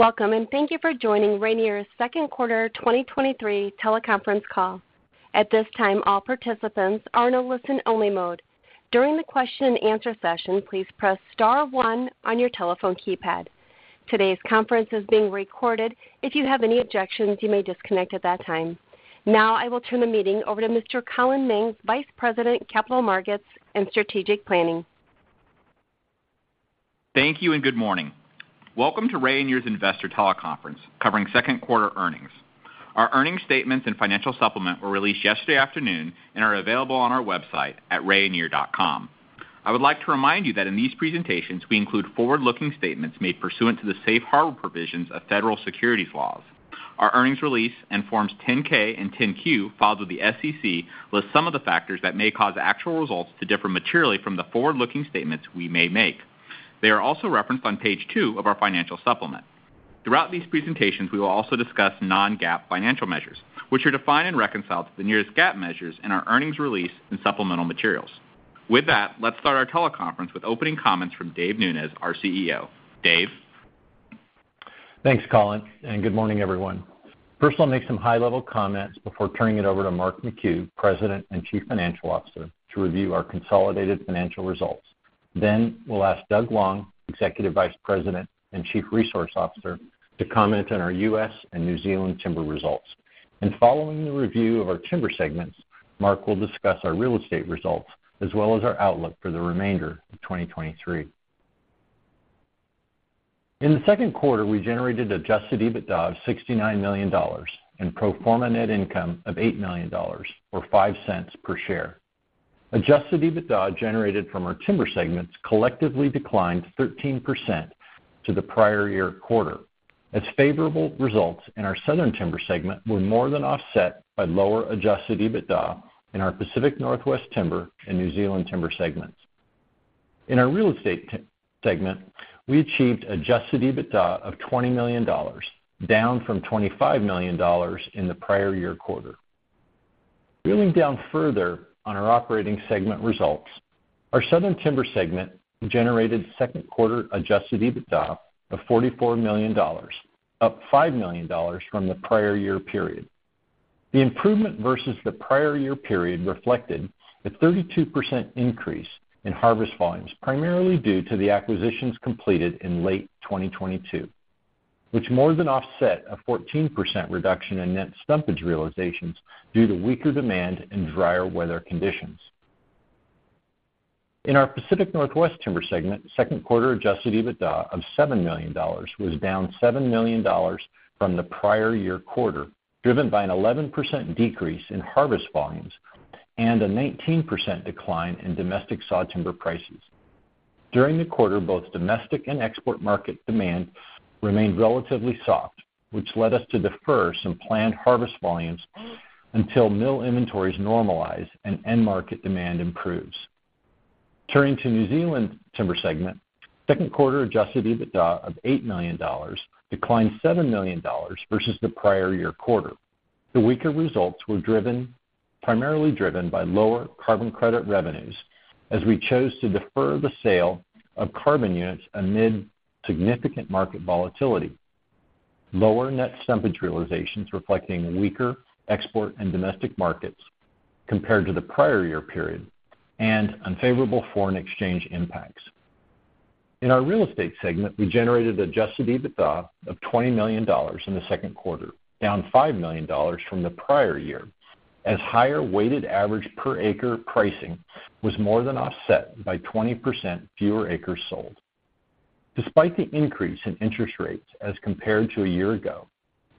Welcome, and thank you for joining Rayonier's second quarter 2023 teleconference call. At this time, all participants are in a listen-only mode. During the question and answer session, please press star one on your telephone keypad. Today's conference is being recorded. If you have any objections, you may disconnect at that time. Now, I will turn the meeting over to Mr. Collin Mings, Vice President, Capital Markets and Strategic Planning. Thank you, and good morning. Welcome to Rayonier's Investor Teleconference, covering second quarter earnings. Our earnings statements and financial supplement were released yesterday afternoon and are available on our website at rayonier.com. I would like to remind you that in these presentations, we include forward-looking statements made pursuant to the safe harbor provisions of federal securities laws. Our earnings release and Forms 10-K and 10-Q, filed with the SEC, list some of the factors that may cause actual results to differ materially from the forward-looking statements we may make. They are also referenced on page two of our financial supplement. Throughout these presentations, we will also discuss non-GAAP financial measures, which are defined and reconciled to the nearest GAAP measures in our earnings release and supplemental materials. With that, let's start our teleconference with opening comments from Dave Nunes, our CEO. Dave? Thanks, Colin. Good morning, everyone. First, I'll make some high-level comments before turning it over to Mark McHugh, President and Chief Financial Officer, to review our consolidated financial results. We'll ask Doug Long, Executive Vice President and Chief Resource Officer, to comment on our US and New Zealand timber results. Following the review of our timber segments, Mark will discuss our real estate results, as well as our outlook for the remainder of 2023. In the second quarter, we generated Adjusted EBITDA of $69 million and pro forma net income of $8 million, or $0.05 per share. Adjusted EBITDA generated from our timber segments collectively declined 13% to the prior year quarter, as favorable results in our Southern Timber segment were more than offset by lower Adjusted EBITDA in our Pacific Northwest Timber and New Zealand Timber segments. In our real estate segment, we achieved Adjusted EBITDA of $20 million, down from $25 million in the prior year quarter. Drilling down further on our operating segment results, our Southern Timber segment generated second quarter Adjusted EBITDA of $44 million, up $5 million from the prior year period. The improvement versus the prior year period reflected a 32% increase in harvest volumes, primarily due to the acquisitions completed in late 2022, which more than offset a 14% reduction in net frontage realizations due to weaker demand and drier weather conditions. In our Pacific Northwest Timber segment, second quarter Adjusted EBITDA of $7 million was down $7 million from the prior year quarter, driven by an 11% decrease in harvest volumes and a 19% decline in domestic saw timber prices. During the quarter, both domestic and export market demand remained relatively soft, which led us to defer some planned harvest volumes until mill inventories normalize and end market demand improves. Turning to New Zealand Timber segment, second quarter Adjusted EBITDA of $8 million declined $7 million versus the prior year quarter. The weaker results were primarily driven by lower carbon credit revenues, as we chose to defer the sale of carbon units amid significant market volatility, lower net frontage realizations reflecting weaker export and domestic markets compared to the prior year period, and unfavorable foreign exchange impacts. In our real estate segment, we generated Adjusted EBITDA of $20 million in the second quarter, down $5 million from the prior year, as higher weighted average per acre pricing was more than offset by 20% fewer acres sold. Despite the increase in interest rates as compared to a year ago,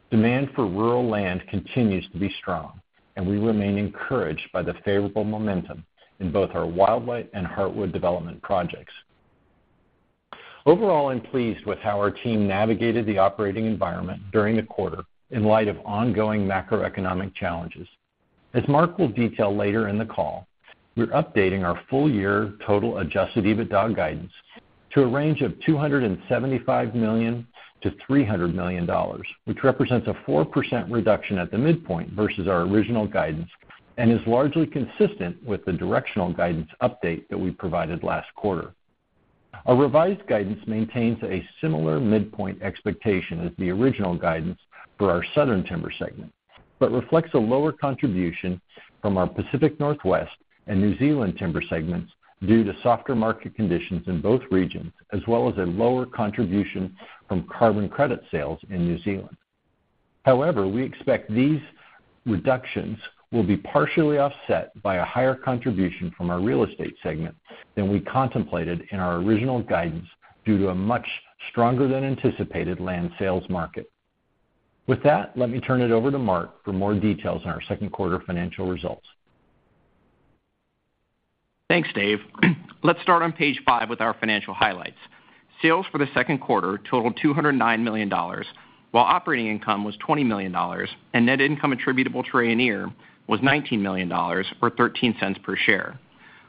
demand for rural land continues to be strong, and we remain encouraged by the favorable momentum in both our Wildlight and Heartwood development projects. Overall, I'm pleased with how our team navigated the operating environment during the quarter in light of ongoing macroeconomic challenges. As Mark will detail later in the call, we're updating our full year total Adjusted EBITDA guidance to a range of $275 million-$300 million, which represents a 4% reduction at the midpoint versus our original guidance and is largely consistent with the directional guidance update that we provided last quarter. Our revised guidance maintains a similar midpoint expectation as the original guidance for our Southern Timber segment, reflects a lower contribution from our Pacific Northwest and New Zealand Timber segments due to softer market conditions in both regions, as well as a lower contribution from carbon credit sales in New Zealand. However, we expect these reductions will be partially offset by a higher contribution from our real estate segment than we contemplated in our original guidance, due to a much stronger than anticipated land sales market. With that, let me turn it over to Mark for more details on our second quarter financial results. Thanks, Dave. Let's start on page five with our financial highlights. Sales for the second quarter totaled $209 million, while operating income was $20 million, and net income attributable to Rayonier was $19 million, or $0.13 per share.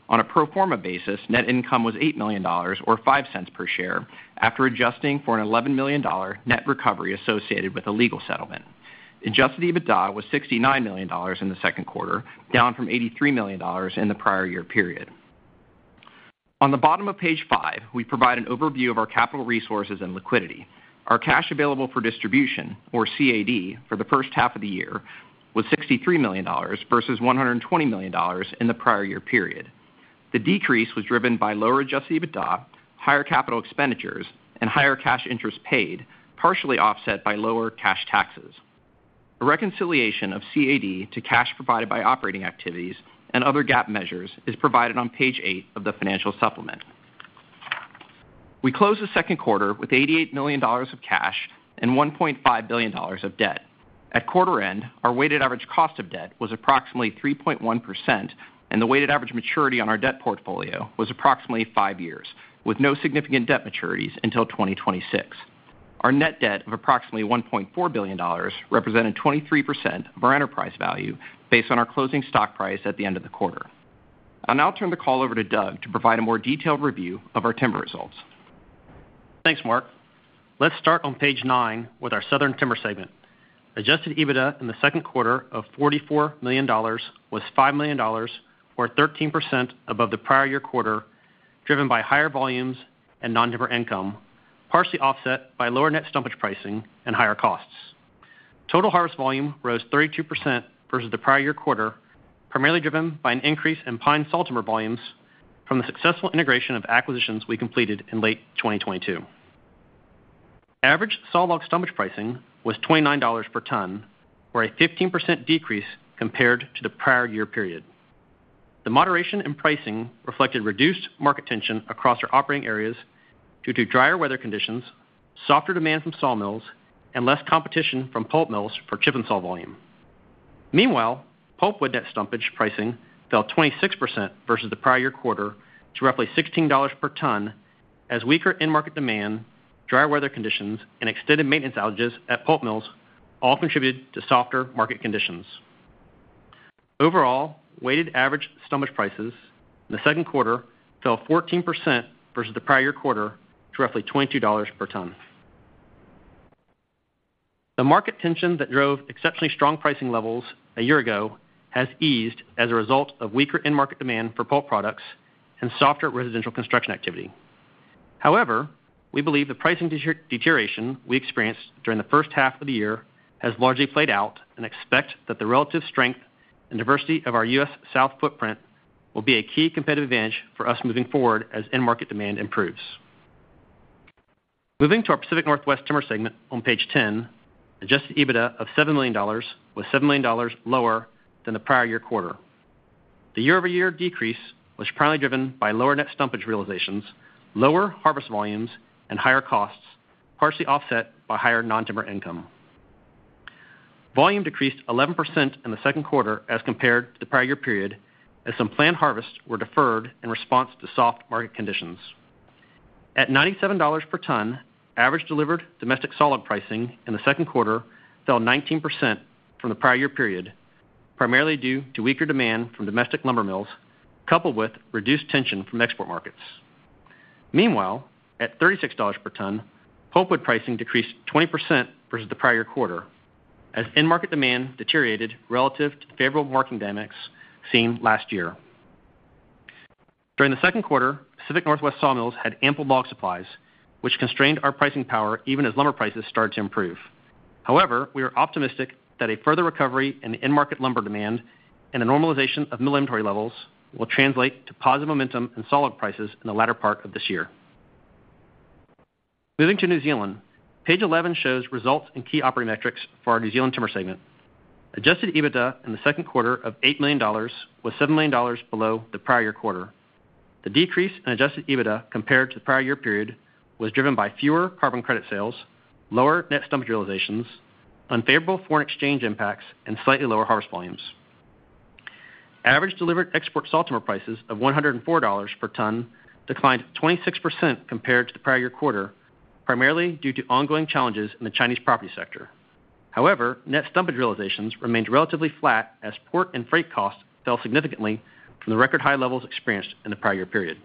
On a pro forma basis, net income was $8 million, or $0.05 per share, after adjusting for an $11 million net recovery associated with a legal settlement. Adjusted EBITDA was $69 million in the second quarter, down from $83 million in the prior year period. On the bottom of page 5, we provide an overview of our capital resources and liquidity. Our cash available for distribution, or CAD, for the first half of the year was $63 million, versus $120 million in the prior year period. The decrease was driven by lower Adjusted EBITDA, higher capital expenditures, and higher cash interest paid, partially offset by lower cash taxes. A reconciliation of CAD to cash provided by operating activities and other GAAP measures is provided on page 8 of the financial supplement. We closed the second quarter with $88 million of cash and $1.5 billion of debt. At quarter end, our weighted average cost of debt was approximately 3.1%, and the weighted average maturity on our debt portfolio was approximately 5 years, with no significant debt maturities until 2026. Our net debt of approximately $1.4 billion represented 23% of our enterprise value, based on our closing stock price at the end of the quarter. I'll now turn the call over to Doug to provide a more detailed review of our timber results. Thanks, Mark. Let's start on page 9 with our Southern Timber segment. Adjusted EBITDA in the second quarter of $44 million was $5 million, or 13% above the prior year quarter, driven by higher volumes and non-timber income, partially offset by lower net frontage pricing and higher costs. Total harvest volume rose 32% versus the prior year quarter, primarily driven by an increase in pine sawtimber volumes from the successful integration of acquisitions we completed in late 2022. Average sawlog frontage pricing was $29 per ton, or a 15% decrease compared to the prior year period. The moderation in pricing reflected reduced market tension across our operating areas due to drier weather conditions, softer demand from sawmills, and less competition from pulp mills for chip and saw volume. Meanwhile, pulpwood net frontage pricing fell 26% versus the prior year quarter to roughly $16 per ton, as weaker end market demand, drier weather conditions, and extended maintenance outages at pulp mills all contributed to softer market conditions. Overall, weighted average frontage prices in the second quarter fell 14% versus the prior year quarter to roughly $22 per ton. The market tension that drove exceptionally strong pricing levels a year ago has eased as a result of weaker end market demand for pulp products and softer residential construction activity. However, we believe the pricing de-deterioration we experienced during the first half of the year has largely played out, and expect that the relative strength and diversity of our U.S. South footprint will be a key competitive advantage for us moving forward as end market demand improves. Moving to our Pacific Northwest Timber segment on page 10, Adjusted EBITDA of $7 million was $7 million lower than the prior year quarter. The year-over-year decrease was primarily driven by lower net frontage realizations, lower harvest volumes, and higher costs, partially offset by higher non-timber income. Volume decreased 11% in the second quarter as compared to the prior year period, as some planned harvests were deferred in response to soft market conditions. At $97 per ton, average delivered domestic solid pricing in the second quarter fell 19% from the prior year period, primarily due to weaker demand from domestic lumber mills, coupled with reduced tension from export markets. Meanwhile, at $36 per ton, pulpwood pricing decreased 20% versus the prior quarter, as end market demand deteriorated relative to the favorable market dynamics seen last year. During the second quarter, Pacific Northwest sawmills had ample log supplies, which constrained our pricing power even as lumber prices started to improve. We are optimistic that a further recovery in the end market lumber demand and a normalization of mill inventory levels will translate to positive momentum and solid prices in the latter part of this year. Moving to New Zealand, page 11 shows results and key operating metrics for our New Zealand Timber segment. Adjusted EBITDA in the second quarter of $8 million was $7 million below the prior year quarter. The decrease in Adjusted EBITDA compared to the prior year period was driven by fewer carbon credit sales, lower net frontage realizations, unfavorable foreign exchange impacts, and slightly lower harvest volumes. Average delivered export sawtimber prices of $104 per ton declined 26% compared to the prior year quarter, primarily due to ongoing challenges in the Chinese property sector. However, net frontage realizations remained relatively flat as port and freight costs fell significantly from the record high levels experienced in the prior year period.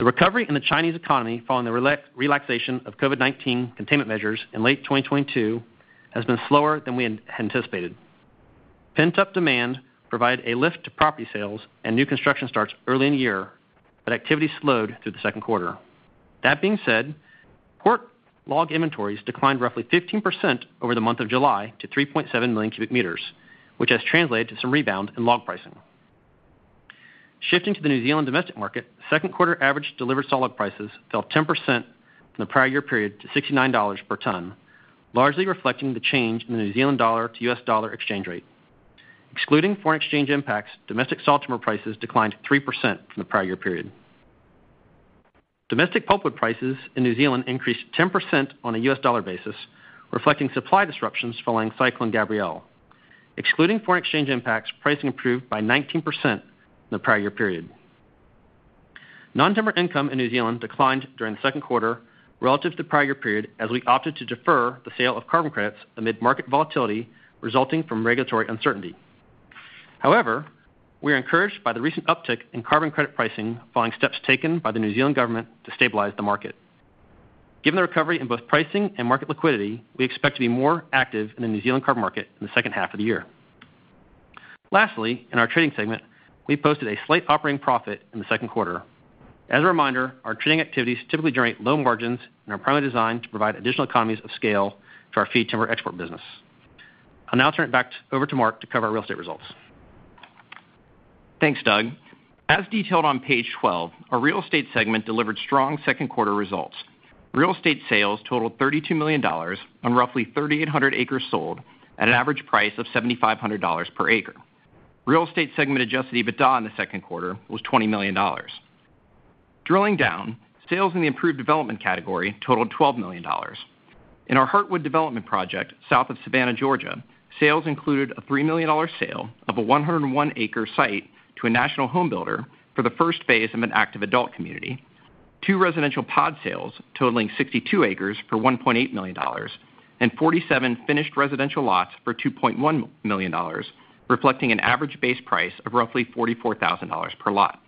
The recovery in the Chinese economy, following the relaxation of COVID-19 containment measures in late 2022, has been slower than we had anticipated. Pent-up demand provided a lift to property sales and new construction starts early in the year, but activity slowed through the second quarter. Being said, port log inventories declined roughly 15% over the month of July to 3.7 million cubic meters, which has translated to some rebound in log pricing. Shifting to the New Zealand domestic market, second quarter average delivered solid prices fell 10% from the prior year period to $69 per ton, largely reflecting the change in the New Zealand dollar to U.S. dollar exchange rate. Excluding foreign exchange impacts, domestic sawtimber prices declined 3% from the prior year period. Domestic pulpwood prices in New Zealand increased 10% on a U.S. dollar basis, reflecting supply disruptions following Cyclone Gabrielle. Excluding foreign exchange impacts, pricing improved by 19% in the prior year period. Nondimmer income in New Zealand declined during the second quarter relative to the prior year period, as we opted to defer the sale of carbon credits amid market volatility resulting from regulatory uncertainty. We are encouraged by the recent uptick in carbon credit pricing following steps taken by the New Zealand government to stabilize the market. Given the recovery in both pricing and market liquidity, we expect to be more active in the New Zealand carbon market in the second half of the year. Lastly, in our trading segment, we posted a slight operating profit in the second quarter. As a reminder, our trading activities typically generate low margins and are primarily designed to provide additional economies of scale to our feed timber export business. I'll now turn it back over to Mark to cover our real estate results. Thanks, Doug. As detailed on page 12, our real estate segment delivered strong second quarter results. Real estate sales totaled $32 million on roughly 3,800 acres sold at an average price of $7,500 per acre. Real estate segment Adjusted EBITDA in the second quarter was $20 million. Drilling down, sales in the improved development category totaled $12 million. In our Heartwood development project, south of Savannah, Georgia, sales included a $3 million sale of a 101-acre site to a national home builder for the first phase of an active adult community, two residential pod sales totaling 62 acres for $1.8 million, and 47 finished residential lots for $2.1 million, reflecting an average base price of roughly $44,000 per lot.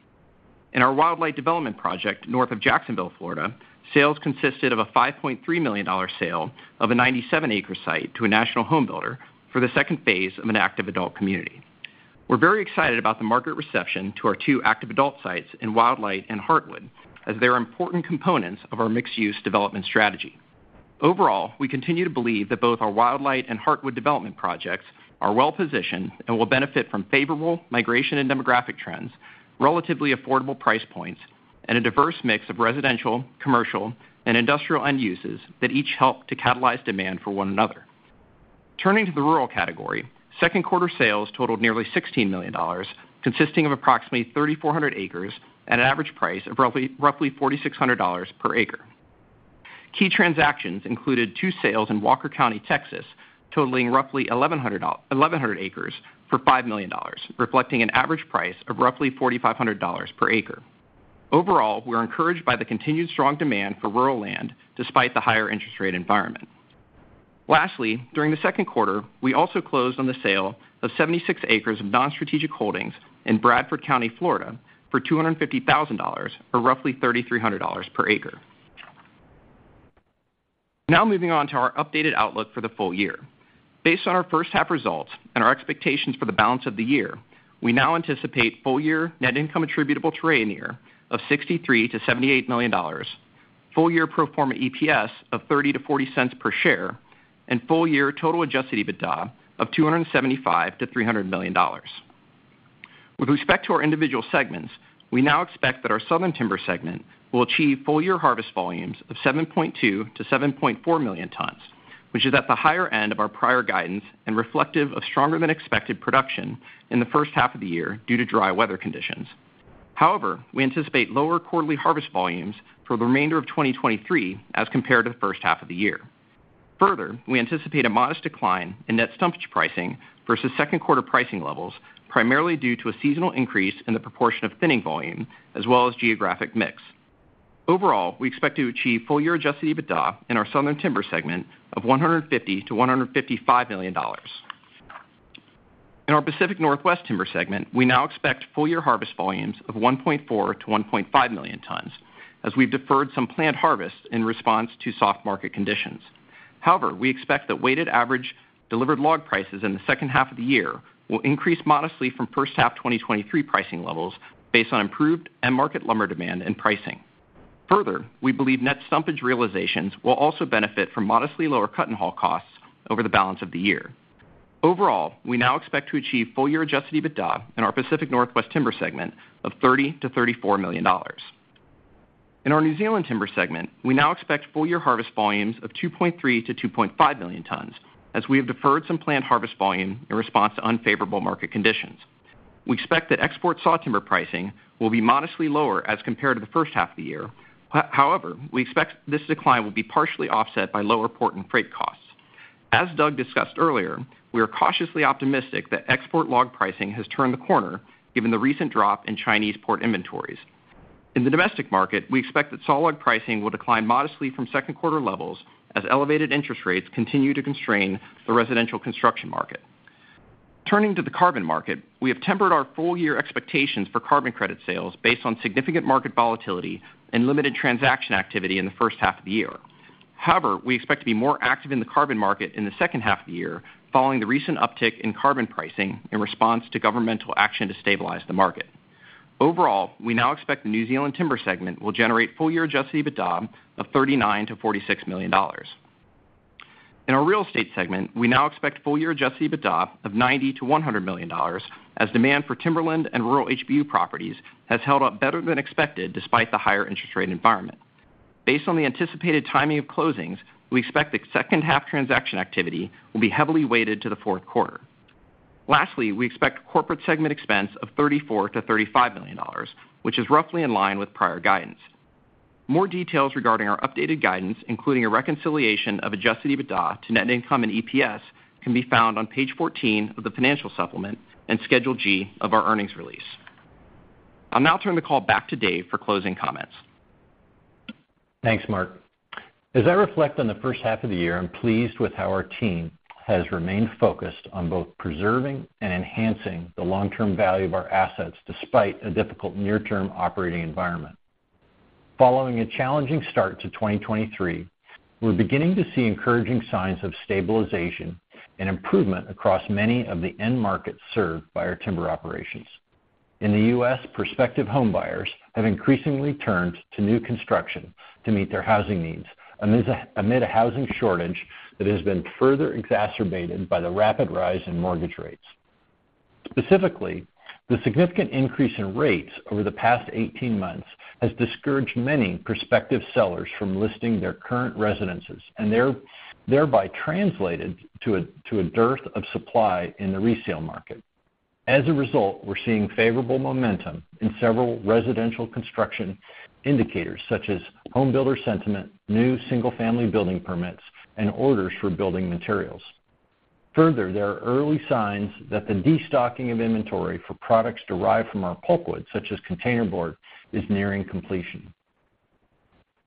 In our Wildlight development project, north of Jacksonville, Florida, sales consisted of a $5.3 million sale of a 97-acre site to a national home builder for the second phase of an active adult community. We're very excited about the market reception to our two active adult sites in Wildlight and Heartwood, as they are important components of our mixed-use development strategy. Overall, we continue to believe that both our Wildlight and Heartwood development projects are well-positioned and will benefit from favorable migration and demographic trends, relatively affordable price points, and a diverse mix of residential, commercial, and industrial end uses that each help to catalyze demand for one another. Turning to the rural category, second quarter sales totaled nearly $16 million, consisting of approximately 3,400 acres at an average price of roughly $4,600 per acre. Key transactions included 2 sales in Walker County, Texas, totaling roughly 1,100 acres for $5 million, reflecting an average price of roughly $4,500 per acre. Overall, we're encouraged by the continued strong demand for rural land, despite the higher interest rate environment. Lastly, during the second quarter, we also closed on the sale of 76 acres of non-strategic holdings in Bradford County, Florida, for $250,000, or roughly $3,300 per acre. Moving on to our updated outlook for the full year. Based on our first half results and our expectations for the balance of the year, we now anticipate full-year net income attributable to Rayonier of $63 million-$78 million, full-year pro forma EPS of $0.30-$0.40 per share, and full-year total Adjusted EBITDA of $275 million-$300 million. With respect to our individual segments, we now expect that our Southern Timber segment will achieve full-year harvest volumes of 7.2-7.4 million tons, which is at the higher end of our prior guidance and reflective of stronger than expected production in the first half of the year due to dry weather conditions. However, we anticipate lower quarterly harvest volumes for the remainder of 2023 as compared to the first half of the year. Further, we anticipate a modest decline in net stumpage pricing versus second quarter pricing levels, primarily due to a seasonal increase in the proportion of thinning volume, as well as geographic mix. Overall, we expect to achieve full-year Adjusted EBITDA in our Southern Timber segment of $150 million-$155 million. In our Pacific Northwest Timber segment, we now expect full-year harvest volumes of 1.4 million-1.5 million tons, as we've deferred some planned harvest in response to soft market conditions. We expect that weighted average delivered log prices in the second half of the year will increase modestly from first half 2023 pricing levels based on improved end market lumber demand and pricing. We believe net stumpage realizations will also benefit from modestly lower cut-and-haul costs over the balance of the year. We now expect to achieve full-year Adjusted EBITDA in our Pacific Northwest Timber segment of $30 million-$34 million. In our New Zealand Timber segment, we now expect full-year harvest volumes of 2.3 million-2.5 million tons, as we have deferred some planned harvest volume in response to unfavorable market conditions. We expect that export sawtimber pricing will be modestly lower as compared to the first half of the year. We expect this decline will be partially offset by lower port and freight costs. As Doug discussed earlier, we are cautiously optimistic that export log pricing has turned the corner, given the recent drop in Chinese port inventories. In the domestic market, we expect that sawlog pricing will decline modestly from second quarter levels as elevated interest rates continue to constrain the residential construction market. Turning to the carbon market, we have tempered our full-year expectations for carbon credit sales based on significant market volatility and limited transaction activity in the first half of the year. We expect to be more active in the carbon market in the second half of the year, following the recent uptick in carbon pricing in response to governmental action to stabilize the market. Overall, we now expect the New Zealand Timber segment will generate full-year Adjusted EBITDA of $39 million-$46 million. In our Real Estate segment, we now expect full-year Adjusted EBITDA of $90 million-$100 million, as demand for timberland and rural HBU properties has held up better than expected, despite the higher interest rate environment. Based on the anticipated timing of closings, we expect that second-half transaction activity will be heavily weighted to the fourth quarter. Lastly, we expect Corporate Segment expense of $34 million-$35 million, which is roughly in line with prior guidance. More details regarding our updated guidance, including a reconciliation of Adjusted EBITDA to net income and EPS, can be found on page 14 of the financial supplement and Schedule G of our earnings release. I'll now turn the call back to Dave for closing comments. Thanks, Mark. As I reflect on the first half of the year, I'm pleased with how our team has remained focused on both preserving and enhancing the long-term value of our assets, despite a difficult near-term operating environment. Following a challenging start to 2023, we're beginning to see encouraging signs of stabilization and improvement across many of the end markets served by our timber operations. In the U.S., prospective home buyers have increasingly turned to new construction to meet their housing needs, amid a, amid a housing shortage that has been further exacerbated by the rapid rise in mortgage rates. Specifically, the significant increase in rates over the past 18 months has discouraged many prospective sellers from listing their current residences, and there- thereby translated to a, to a dearth of supply in the resale market. As a result, we're seeing favorable momentum in several residential construction indicators, such as home builder sentiment, new single-family building permits, and orders for building materials. There are early signs that the destocking of inventory for products derived from our pulpwood, such as container board, is nearing completion.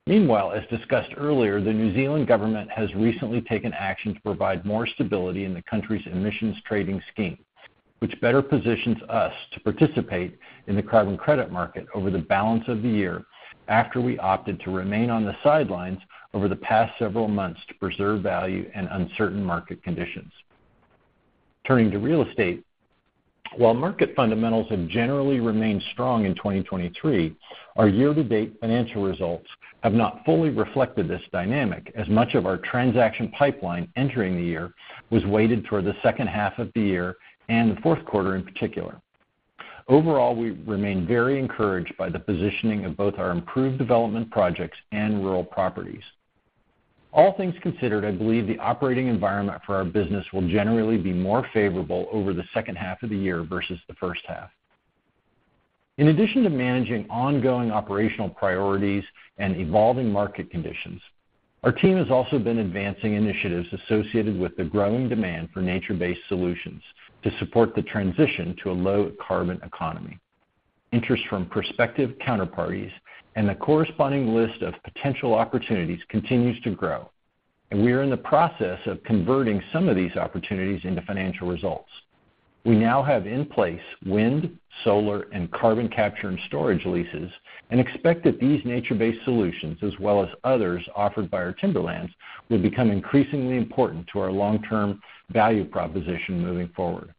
Meanwhile, as discussed earlier, the New Zealand government has recently taken action to provide more stability in the country's emissions trading scheme, which better positions us to participate in the carbon credit market over the balance of the year, after we opted to remain on the sidelines over the past several months to preserve value and uncertain market conditions. Turning to real estate, while market fundamentals have generally remained strong in 2023, our year-to-date financial results have not fully reflected this dynamic, as much of our transaction pipeline entering the year was weighted toward the second half of the year and the fourth quarter in particular. Overall, we remain very encouraged by the positioning of both our improved development projects and rural properties. All things considered, I believe the operating environment for our business will generally be more favorable over the second half of the year versus the first half. In addition to managing ongoing operational priorities and evolving market conditions, our team has also been advancing initiatives associated with the growing demand for nature-based solutions to support the transition to a low-carbon economy. Interest from prospective counterparties and the corresponding list of potential opportunities continues to grow, and we are in the process of converting some of these opportunities into financial results. We now have in place wind, solar, and carbon capture and storage leases, and expect that these nature-based solutions, as well as others offered by our timberlands, will become increasingly important to our long-term value proposition moving forward.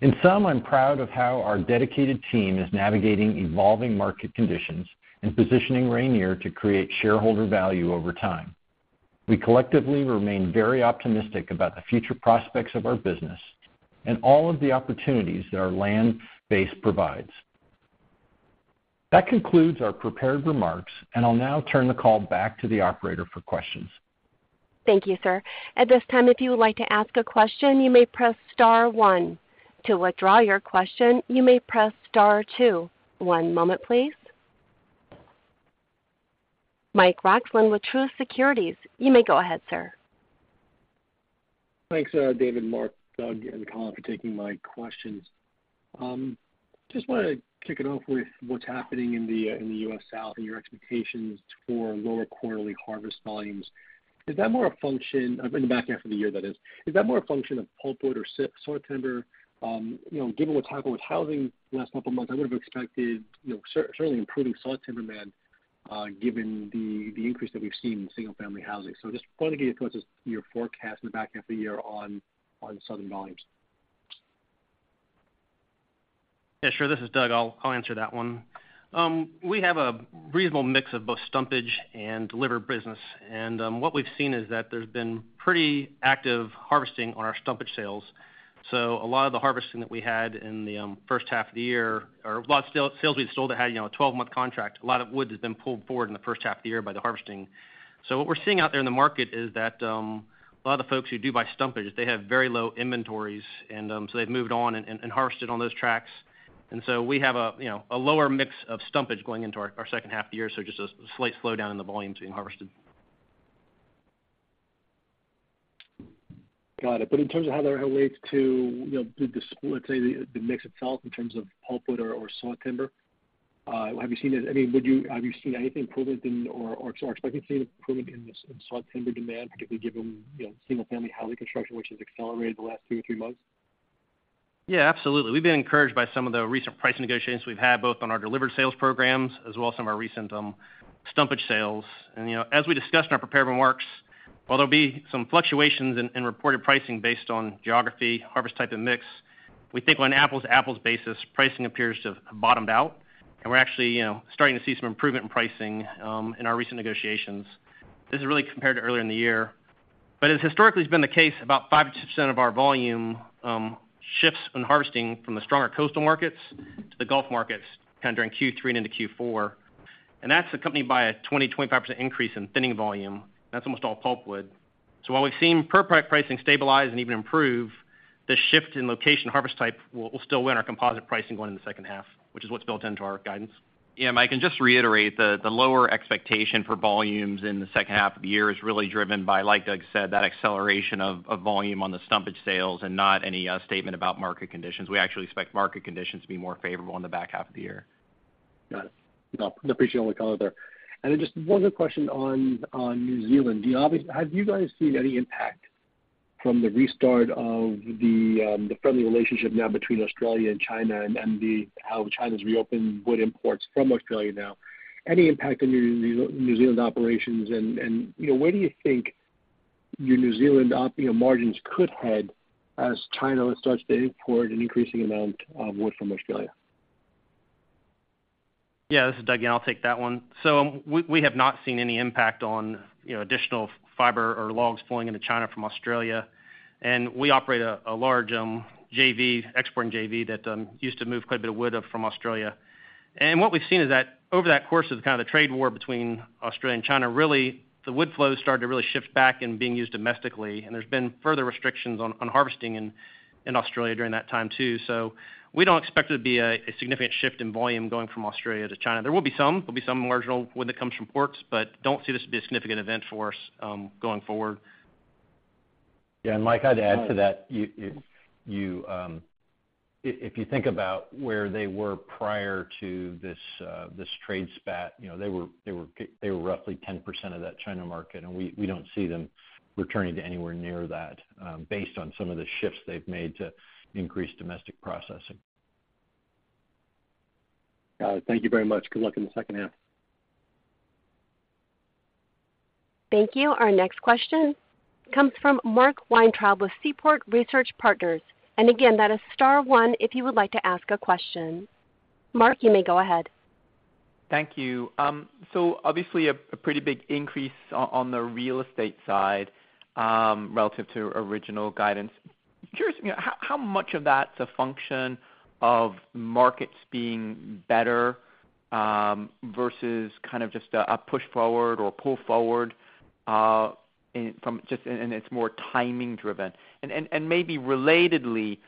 In sum, I'm proud of how our dedicated team is navigating evolving market conditions and positioning Rayonier to create shareholder value over time. We collectively remain very optimistic about the future prospects of our business and all of the opportunities that our land base provides. That concludes our prepared remarks, and I'll now turn the call back to the operator for questions. Thank you, sir. At this time, if you would like to ask a question, you may press star 1. To withdraw your question, you may press star 2. One moment, please. Mike Roxland with Truist Securities, you may go ahead, sir. Thanks, David, Mark, Doug, and Colin, for taking my questions. Just wanted to kick it off with what's happening in the US South and your expectations for lower quarterly harvest volumes. In the back half of the year, that is. Is that more a function of pulpwood or sawtimber? You know, given what's happened with housing the last couple of months, I would have expected, you know, certainly improving sawtimber demand, given the increase that we've seen in single-family housing. Just wanted to get your forecast in the back half of the year on, on southern volumes. Yeah, sure. This is Doug. I'll, I'll answer that one. We have a reasonable mix of both stumpage and delivered business, and what we've seen is that there's been pretty active harvesting on our stumpage sales. A lot of the harvesting that we had in the first half of the year, or a lot of sale, sales we've sold that had, you know, a 12-month contract, a lot of wood has been pulled forward in the first half of the year by the harvesting. What we're seeing out there in the market is that a lot of the folks who do buy stumpage, they have very low inventories, and so they've moved on and, and harvested on those tracks. So we have a, you know, a lower mix of stumpage going into our, our second half of the year, so just a slight slowdown in the volume being harvested. Got it. In terms of how that relates to, you know, let's say, the, the mix itself in terms of pulpwood or, or sawtimber, have you seen it... I mean, have you seen anything improvement in or, or are expecting to see an improvement in the sawtimber demand, particularly given, you know, single-family housing construction, which has accelerated the last two or three months? Absolutely. We've been encouraged by some of the recent pricing negotiations we've had, both on our delivered sales programs as well as some of our recent stumpage sales. You know, as we discussed in our prepared remarks, while there'll be some fluctuations in, in reported pricing based on geography, harvest type, and mix, we think on an apples-to-apples basis, pricing appears to have bottomed out, and we're actually, you know, starting to see some improvement in pricing in our recent negotiations. This is really compared to earlier in the year. As historically has been the case, about 5%-10% of our volume shifts when harvesting from the stronger coastal markets to the Gulf markets, kind of during Q3 and into Q4. That's accompanied by a 20%-25% increase in thinning volume. That's almost all pulpwood. While we've seen per pricing stabilize and even improve, the shift in location harvest type will still win our composite pricing going in the second half, which is what's built into our guidance. Yeah, Mike, just to reiterate, the lower expectation for volumes in the second half of the year is really driven by, like Doug said, that acceleration of volume on the stumpage sales and not any statement about market conditions. We actually expect market conditions to be more favorable in the back half of the year. Got it. Well, I appreciate all the color there. Just one other question on New Zealand. Do you have you guys seen any impact from the restart of the friendly relationship now between Australia and China, how China's reopened wood imports from Australia now, any impact on your New Zealand operations? You know, where do you think your New Zealand op, you know, margins could head as China starts to import an increasing amount of wood from Australia? Yeah, this is Doug, and I'll take that one. We, we have not seen any impact on, you know, additional fiber or logs flowing into China from Australia. We operate a, a large JV, exporting JV, that used to move quite a bit of wood up from Australia. What we've seen is that over that course of kind of the trade war between Australia and China, really, the wood flow started to really shift back and being used domestically, and there's been further restrictions on, on harvesting in, in Australia during that time, too. We don't expect there to be a, a significant shift in volume going from Australia to China. There will be some, there'll be some marginal wood that comes from ports, but don't see this to be a significant event for us, going forward. Yeah, Mike, I'd add to that. You, you, if, if you think about where they were prior to this, this trade spat, you know, they were, they were they were roughly 10% of that China market, and we, we don't see them returning to anywhere near that, based on some of the shifts they've made to increase domestic processing. Got it. Thank you very much. Good luck in the second half. Thank you. Our next question comes from Mark Weintraub with Seaport Research Partners, and again, that is star 1 if you would like to ask a question. Mark, you may go ahead. Thank you. Obviously, a pretty big increase on the real estate side, relative to original guidance. Curious, you know, how much of that's a function of markets being better, versus kind of just a push forward or pull forward? Is it more timing driven? Maybe relatedly,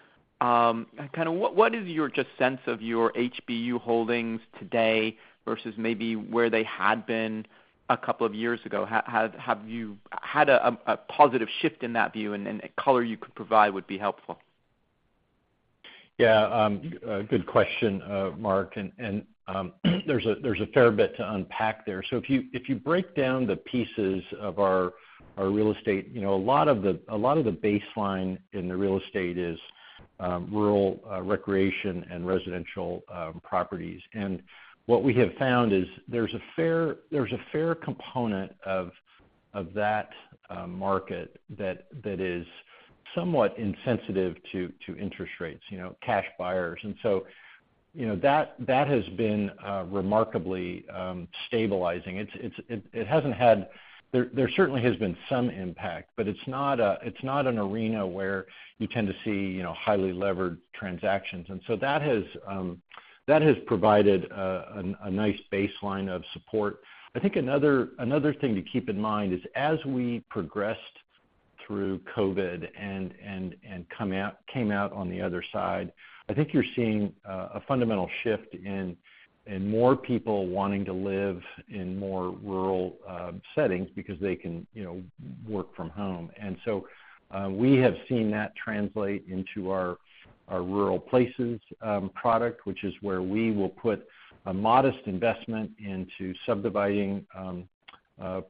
what is your just sense of your HBU holdings today versus maybe where they had been a couple of years ago? Have you had a positive shift in that view? Any color you could provide would be helpful. Yeah, a good question, Mark, and, and there's a fair bit to unpack there. If you, if you break down the pieces of our, our real estate, you know, a lot of the, a lot of the baseline in the real estate is rural, recreation and residential properties. What we have found is there's a fair, there's a fair component of, of that market that, that is somewhat insensitive to, to interest rates, you know, cash buyers. You know, that, that has been remarkably stabilizing. There certainly has been some impact, but it's not an arena where you tend to see, you know, highly levered transactions, that has provided a nice baseline of support. I think another, another thing to keep in mind is as we progressed through COVID and came out on the other side, I think you're seeing a fundamental shift in more people wanting to live in more rural settings because they can, you know, work from home. We have seen that translate into our rural places product, which is where we will put a modest investment into subdividing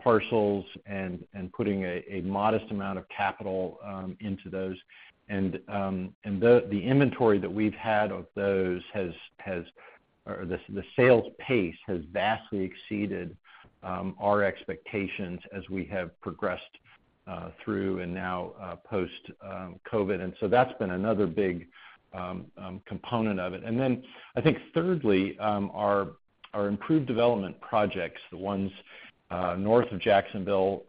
parcels and putting a modest amount of capital into those. The inventory that we've had of those has or the sales pace has vastly exceeded our expectations as we have progressed through and now post COVID. That's been another big component of it. Then I think thirdly, our, our improved development projects, the ones north of Jacksonville,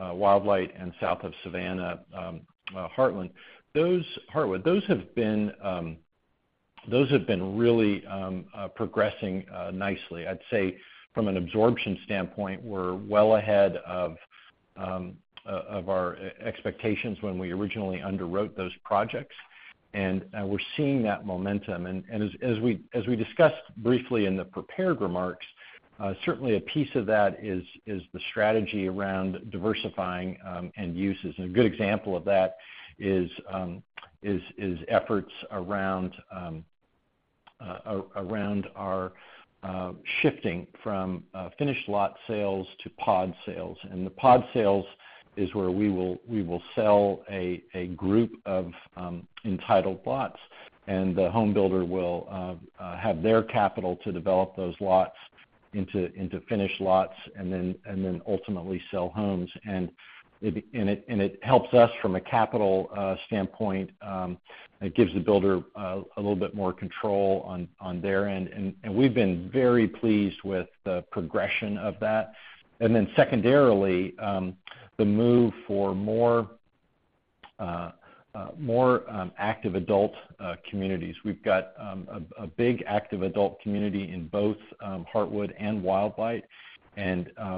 Wildlight and south of Savannah, Heartwood, Heartwood. Those have been, those have been really progressing nicely. I'd say from an absorption standpoint, we're well ahead of our expectations when we originally underwrote those projects, and we're seeing that momentum. As, as we, as we discussed briefly in the prepared remarks, certainly a piece of that is, is the strategy around diversifying and uses. A good example of that is, is efforts around around our shifting from finished lot sales to pod sales. The pod sales is where we will sell a group of entitled lots, and the home builder will have their capital to develop those lots into, into finished lots and then, and then ultimately sell homes. It helps us from a capital standpoint, it gives the builder a little bit more control on their end, and we've been very pleased with the progression of that. Secondarily, the move for more active adult communities. We've got a big active adult community in both Heartwood and Wildlight.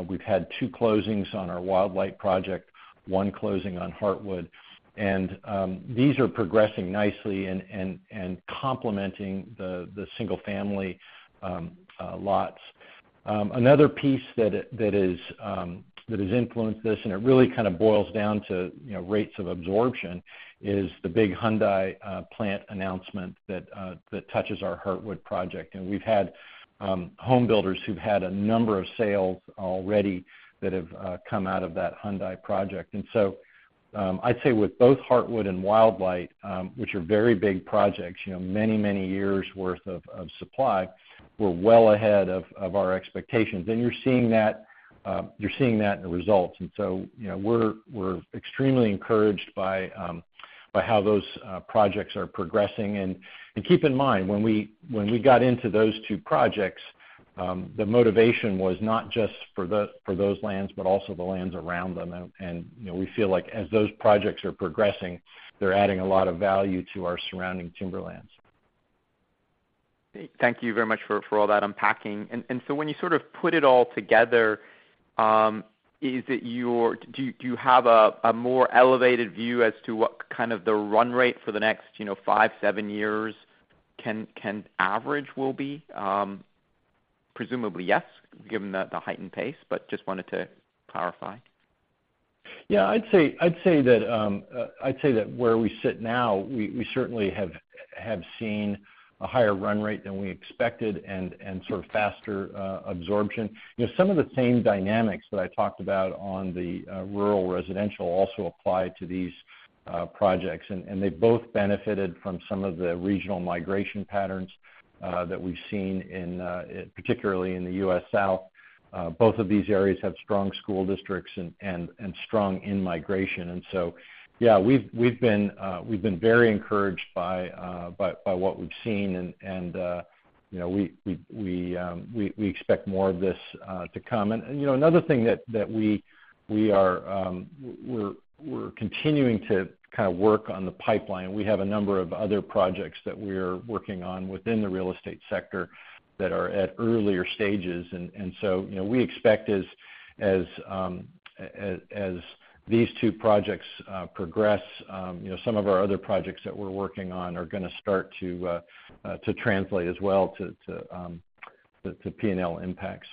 We've had 2 closings on our Wildlight project, 1 closing on Heartwood. These are progressing nicely and complementing the single-family lots. Another piece that, that is, that has influenced this, and it really kind of boils down to, you know, rates of absorption, is the big Hyundai plant announcement that touches our Heartwood project. We've had home builders who've had a number of sales already that have come out of that Hyundai project. I'd say with both Heartwood and Wildlight, which are very big projects, you know, many, many years' worth of supply, we're well ahead of our expectations. You're seeing that, you're seeing that in the results. You know, we're, we're extremely encouraged by how those projects are progressing. Keep in mind, when we, when we got into those two projects, the motivation was not just for those lands, but also the lands around them. You know, we feel like as those projects are progressing, they're adding a lot of value to our surrounding timberlands. Thank you very much for all that unpacking. When you sort of put it all together, do you have a more elevated view as to what kind of the run rate for the next, you know, 5, 7 years can average will be? Presumably, yes, given the heightened pace, but just wanted to clarify. Yeah, I'd say, I'd say that, I'd say that where we sit now, we, we certainly have, have seen a higher run rate than we expected and, and sort of faster, absorption. You know, some of the same dynamics that I talked about on the, rural residential also apply to these, projects, and, and they both benefited from some of the regional migration patterns, that we've seen in, particularly in the U.S. South. Both of these areas have strong school districts and, and, and strong in-migration. So, yeah, we've, we've been, we've been very encouraged by, by, by what we've seen, and, and, you know, we, we, we, we expect more of this, to come. You know, another thing that, that we, we are, we're, we're continuing to kind of work on the pipeline. We have a number of other projects that we're working on within the real estate sector that are at earlier stages. You know, we expect as, as, as, as these two projects progress, you know, some of our other projects that we're working on are gonna start to, to translate as well to, to, to P&L impacts.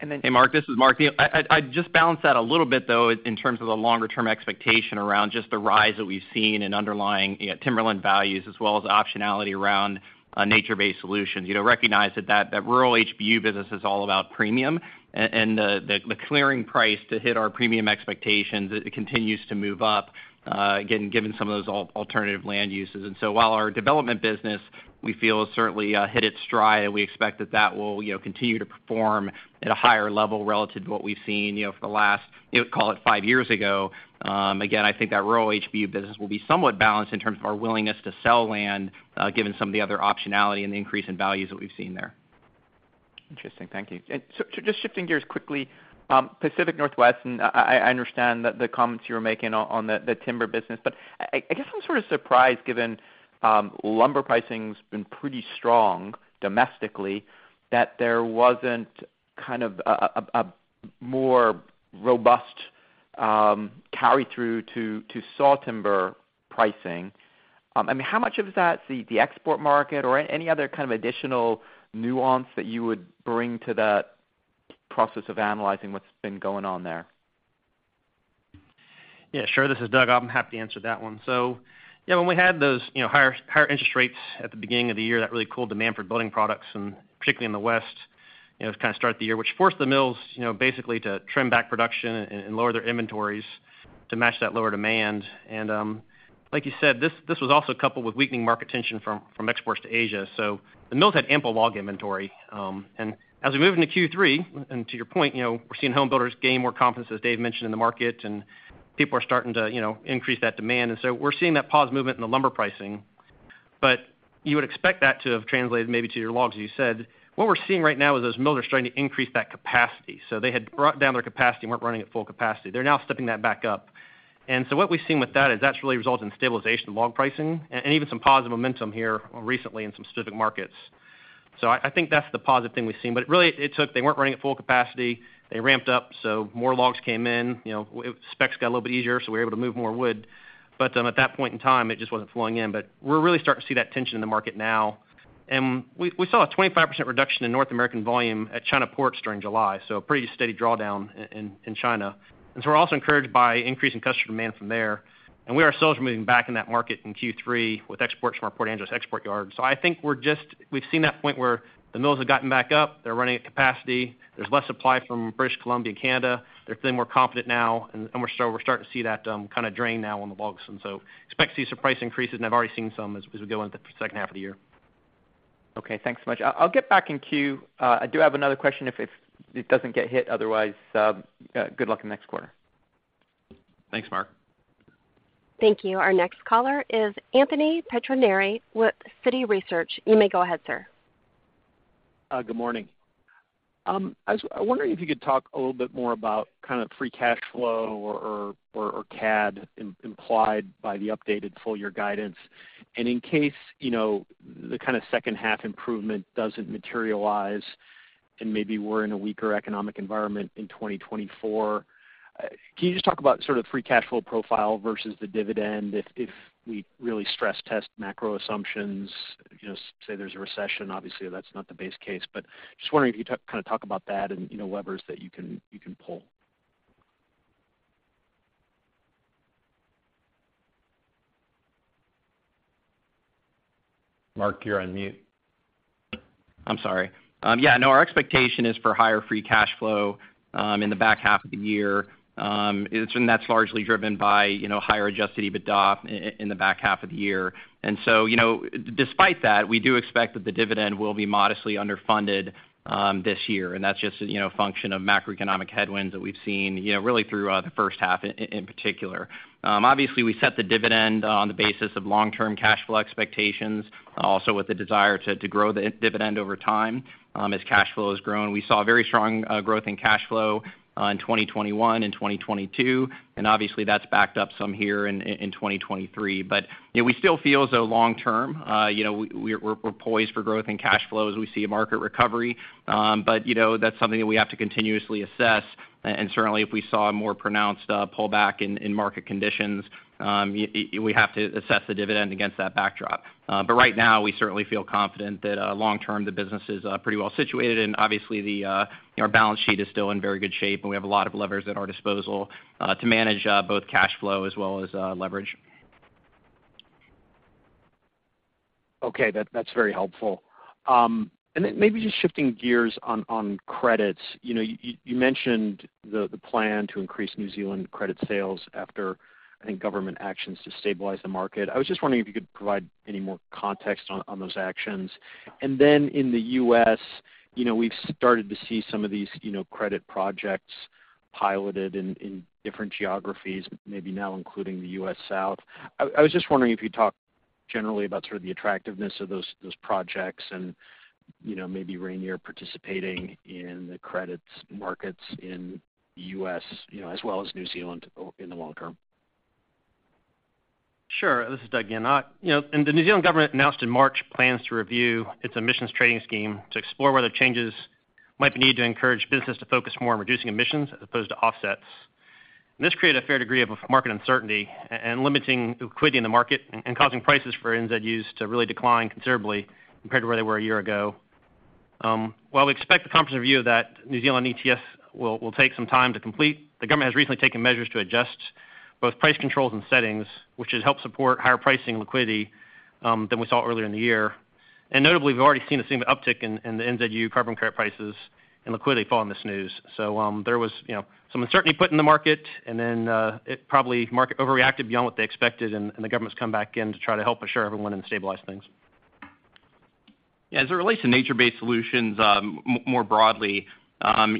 And then- Hey, Mark, this is Mark McHugh. I'd, I'd just balance that a little bit, though, in terms of the longer-term expectation around just the rise that we've seen in underlying, you know, timberland values, as well as optionality around nature-based solutions. You know, recognize that, that rural HBU business is all about premium, and, and the, the clearing price to hit our premium expectations, it continues to move up, again, given some of those alternative land uses. So while our development business, we feel, has certainly hit its stride, and we expect that that will, you know, continue to perform at a higher level relative to what we've seen, you know, for the last, call it five years ago. Again, I think that rural HBU business will be somewhat balanced in terms of our willingness to sell land, given some of the other optionality and the increase in values that we've seen there. Interesting. Thank you. Just shifting gears quickly, Pacific Northwest, and I, I understand the, the comments you were making on, on the, the timber business. I, I guess I'm sort of surprised, given, lumber pricing's been pretty strong domestically, that there wasn't kind of a, a, a more robust, carry-through to, to saw timber pricing. I mean, how much of that is the, the export market or any other kind of additional nuance that you would bring to that process of analyzing what's been going on there? Yeah, sure. This is Doug. I'm happy to answer that one. Yeah, when we had those, you know, higher, higher interest rates at the beginning of the year, that really cooled demand for building products, and particularly in the West, you know, kind of start the year, which forced the mills, you know, basically to trim back production and, and lower their inventories to match that lower demand. Like you said, this, this was also coupled with weakening market tension from, from exports to Asia. The mills had ample log inventory. As we move into Q3, and to your point, you know, we're seeing home builders gain more confidence, as Dave mentioned, in the market, and people are starting to, you know, increase that demand. So we're seeing that positive movement in the lumber pricing. You would expect that to have translated maybe to your logs, as you said. What we're seeing right now is those mills are starting to increase that capacity. They had brought down their capacity and weren't running at full capacity. They're now stepping that back up. What we've seen with that is that's really resulted in stabilization of log pricing and even some positive momentum here recently in some specific markets. I think that's the positive thing we've seen. Really, it took. They weren't running at full capacity. They ramped up, so more logs came in. You know, specs got a little bit easier, so we were able to move more wood. At that point in time, it just wasn't flowing in. We're really starting to see that tension in the market now. We saw a 25% reduction in North American volume at China ports during July, so a pretty steady drawdown in China. We're also encouraged by increasing customer demand from there. We ourselves are moving back in that market in Q3 with exports from our Port Angeles export yard. I think we've seen that point where the mills have gotten back up, they're running at capacity, there's less supply from British Columbia, Canada. They're feeling more confident now, we're starting to see that kind of drain now on the logs. Expect to see some price increases, and I've already seen some as, as we go into the second half of the year. Okay, thanks so much. I, I'll get back in queue. I do have another question if, if it doesn't get hit. Otherwise, good luck in next quarter. Thanks, Mark. Thank you. Our next caller is Anthony Pettinari with Citi Research. You may go ahead, sir. Good morning. I was wondering if you could talk a little bit more about kind of free cash flow or CAD implied by the updated full year guidance. In case, you know, the kind of second half improvement doesn't materialize, and maybe we're in a weaker economic environment in 2024, can you just talk about sort of free cash flow profile versus the dividend if we really stress test macro assumptions? You know, say there's a recession, obviously that's not the base case. Just wondering if you kind of talk about that and, you know, levers that you can, you can pull. Mark, you're on mute. I'm sorry. Yeah, no, our expectation is for higher free cash flow in the back half of the year. That's largely driven by, you know, higher Adjusted EBITDA in the back half of the year. You know, despite that, we do expect that the dividend will be modestly underfunded this year, and that's just, you know, a function of macroeconomic headwinds that we've seen, you know, really through the first half in particular. Obviously, we set the dividend on the basis of long-term cash flow expectations, also with the desire to, to grow the dividend over time as cash flow has grown. We saw very strong growth in cash flow in 2021 and 2022. Obviously, that's backed up some here in 2023. You know, we still feel as though long term, you know, we, we're, we're poised for growth in cash flow as we see a market recovery. You know, that's something that we have to continuously assess, and certainly, if we saw a more pronounced pullback in market conditions, we have to assess the dividend against that backdrop. Right now, we certainly feel confident that long term, the business is pretty well situated, and obviously, the our balance sheet is still in very good shape, and we have a lot of levers at our disposal to manage both cash flow as well as leverage. Okay, that, that's very helpful. Then maybe just shifting gears on, on credits. You know, you, you mentioned the, the plan to increase New Zealand credit sales after, I think, government actions to stabilize the market. I was just wondering if you could provide any more context on, on those actions. Then in the US, you know, we've started to see some of these, you know, credit projects piloted in, in different geographies, maybe now including the US South. I, I was just wondering if you'd talk generally about sort of the attractiveness of those, those projects and, you know, maybe Rayonier participating in the credits markets in the US, you know, as well as New Zealand in the long term. Sure. This is Doug again. You know, the New Zealand government announced in March plans to review its emissions trading scheme to explore whether changes might be needed to encourage business to focus more on reducing emissions as opposed to offsets. This created a fair degree of market uncertainty and limiting liquidity in the market and causing prices for NZUs to really decline considerably compared to where they were a year ago. While we expect the comprehensive view of that New Zealand ETS will take some time to complete, the government has recently taken measures to adjust both price controls and settings, which has helped support higher pricing liquidity than we saw earlier in the year. Notably, we've already seen the same uptick in the NZU carbon credit prices and liquidity following this news. There was, you know, some uncertainty put in the market, and then, it probably market overreacted beyond what they expected, and, and the government's come back in to try to help assure everyone and stabilize things. Yeah, as it relates to nature-based solutions, more broadly, you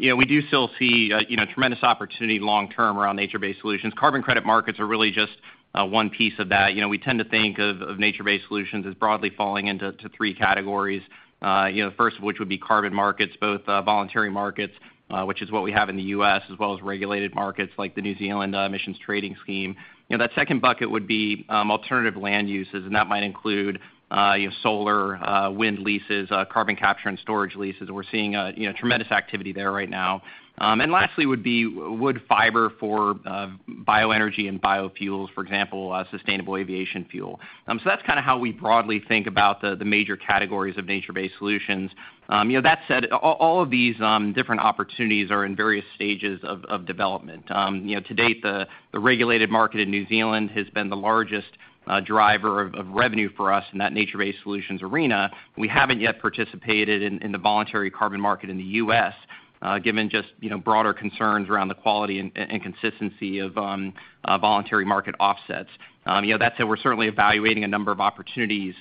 know, we do still see, you know, tremendous opportunity long term around nature-based solutions. Carbon credit markets are really just one piece of that. You know, we tend to think of, of nature-based solutions as broadly falling into, to three categories. You know, first of which would be carbon markets, both, voluntary markets, which is what we have in the US, as well as regulated markets like the New Zealand emissions trading scheme. You know, that second bucket would be, alternative land uses, and that might include, you know, solar, wind leases, carbon capture and storage leases. We're seeing, you know, tremendous activity there right now. Lastly, would be wood fiber for, bioenergy and biofuels, for example, sustainable aviation fuel. That's kind of how we broadly think about the major categories of nature-based solutions. You know, that said, all of these different opportunities are in various stages of development. You know, to date, the regulated market in New Zealand has been the largest driver of revenue for us in that nature-based solutions arena. We haven't yet participated in the voluntary carbon market in the US, given just, you know, broader concerns around the quality and consistency of voluntary market offsets. You know, that said, we're certainly evaluating a number of opportunities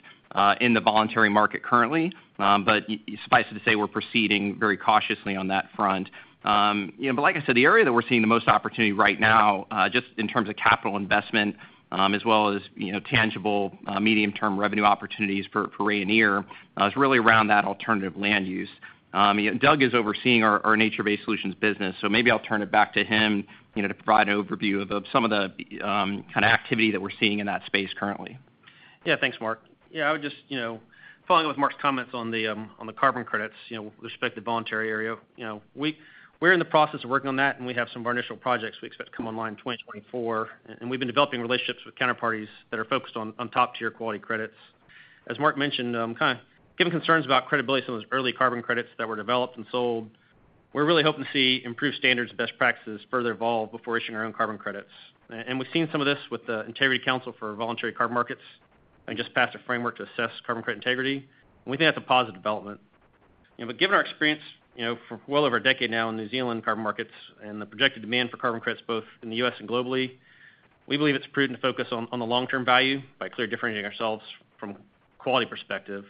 in the voluntary market currently, but suffice it to say, we're proceeding very cautiously on that front. You know, like I said, the area that we're seeing the most opportunity right now, just in terms of capital investment, as well as, you know, tangible, medium-term revenue opportunities for Rayonier, is really around that alternative land use. You know, Doug is overseeing our, our nature-based solutions business, so maybe I'll turn it back to him, you know, to provide an overview of some of the kind of activity that we're seeing in that space currently. Yeah. Thanks, Mark. Yeah, I would just, you know, following with Mark's comments on the on the carbon credits, you know, with respect to the voluntary area, you know, we're in the process of working on that, and we have some of our initial projects we expect to come online in 2024, and we've been developing relationships with counterparties that are focused on, on top-tier quality credits. As Mark mentioned, kind of given concerns about credibility some of those early carbon credits that were developed and sold, we're really hoping to see improved standards and best practices further evolve before issuing our own carbon credits. We've seen some of this with the Integrity Council for Voluntary Carbon Markets, and just passed a framework to assess carbon credit integrity, and we think that's a positive development. You know, given our experience, you know, for well over a decade now in New Zealand carbon markets and the projected demand for carbon credits both in the US and globally, we believe it's prudent to focus on the long-term value by clear differentiating ourselves from a quality perspective.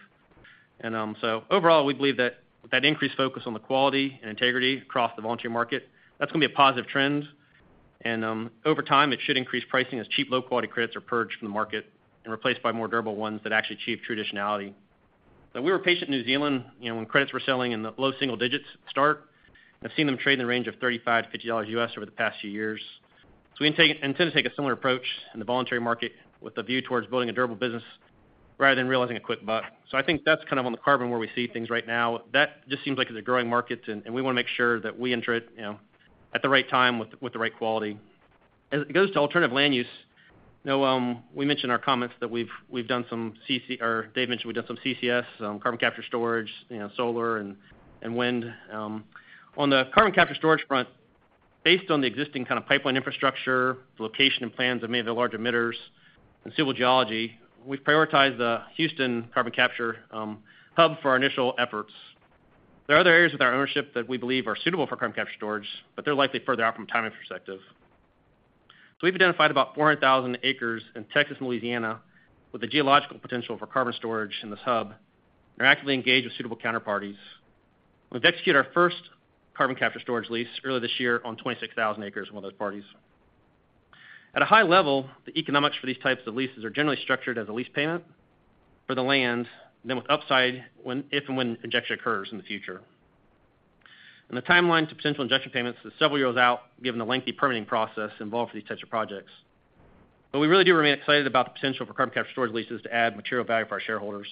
Overall, we believe that increased focus on the quality and integrity across the voluntary market, that's gonna be a positive trend. Over time, it should increase pricing as cheap, low-quality credits are purged from the market and replaced by more durable ones that actually achieve traditionality. We were patient in New Zealand, you know, when credits were selling in the low single digits start, and I've seen them trade in the range of $35-$50 US over the past few years. We intend to take a similar approach in the voluntary market with a view towards building a durable business rather than realizing a quick buck. I think that's kind of on the carbon where we see things right now. That just seems like it's a growing market, and we wanna make sure that we enter it, you know, at the right time with the right quality. As it goes to alternative land use. No, we mentioned in our comments that we've done some or Dave mentioned we've done some CCS, carbon capture storage, you know, solar and wind. On the carbon capture storage front, based on the existing kind of pipeline infrastructure, the location and plans of many of the large emitters, and civil geology, we've prioritized the Houston carbon capture hub for our initial efforts. There are other areas with our ownership that we believe are suitable for carbon capture storage, but they're likely further out from a timing perspective. We've identified about 400,000 acres in Texas and Louisiana with the geological potential for carbon storage in this hub, and are actively engaged with suitable counterparties. We've executed our first carbon capture storage lease earlier this year on 26,000 acres with one of those parties. At a high level, the economics for these types of leases are generally structured as a lease payment for the land, then with upside if and when injection occurs in the future. The timeline to potential injection payments is several years out, given the lengthy permitting process involved for these types of projects. We really do remain excited about the potential for carbon capture storage leases to add material value for our shareholders.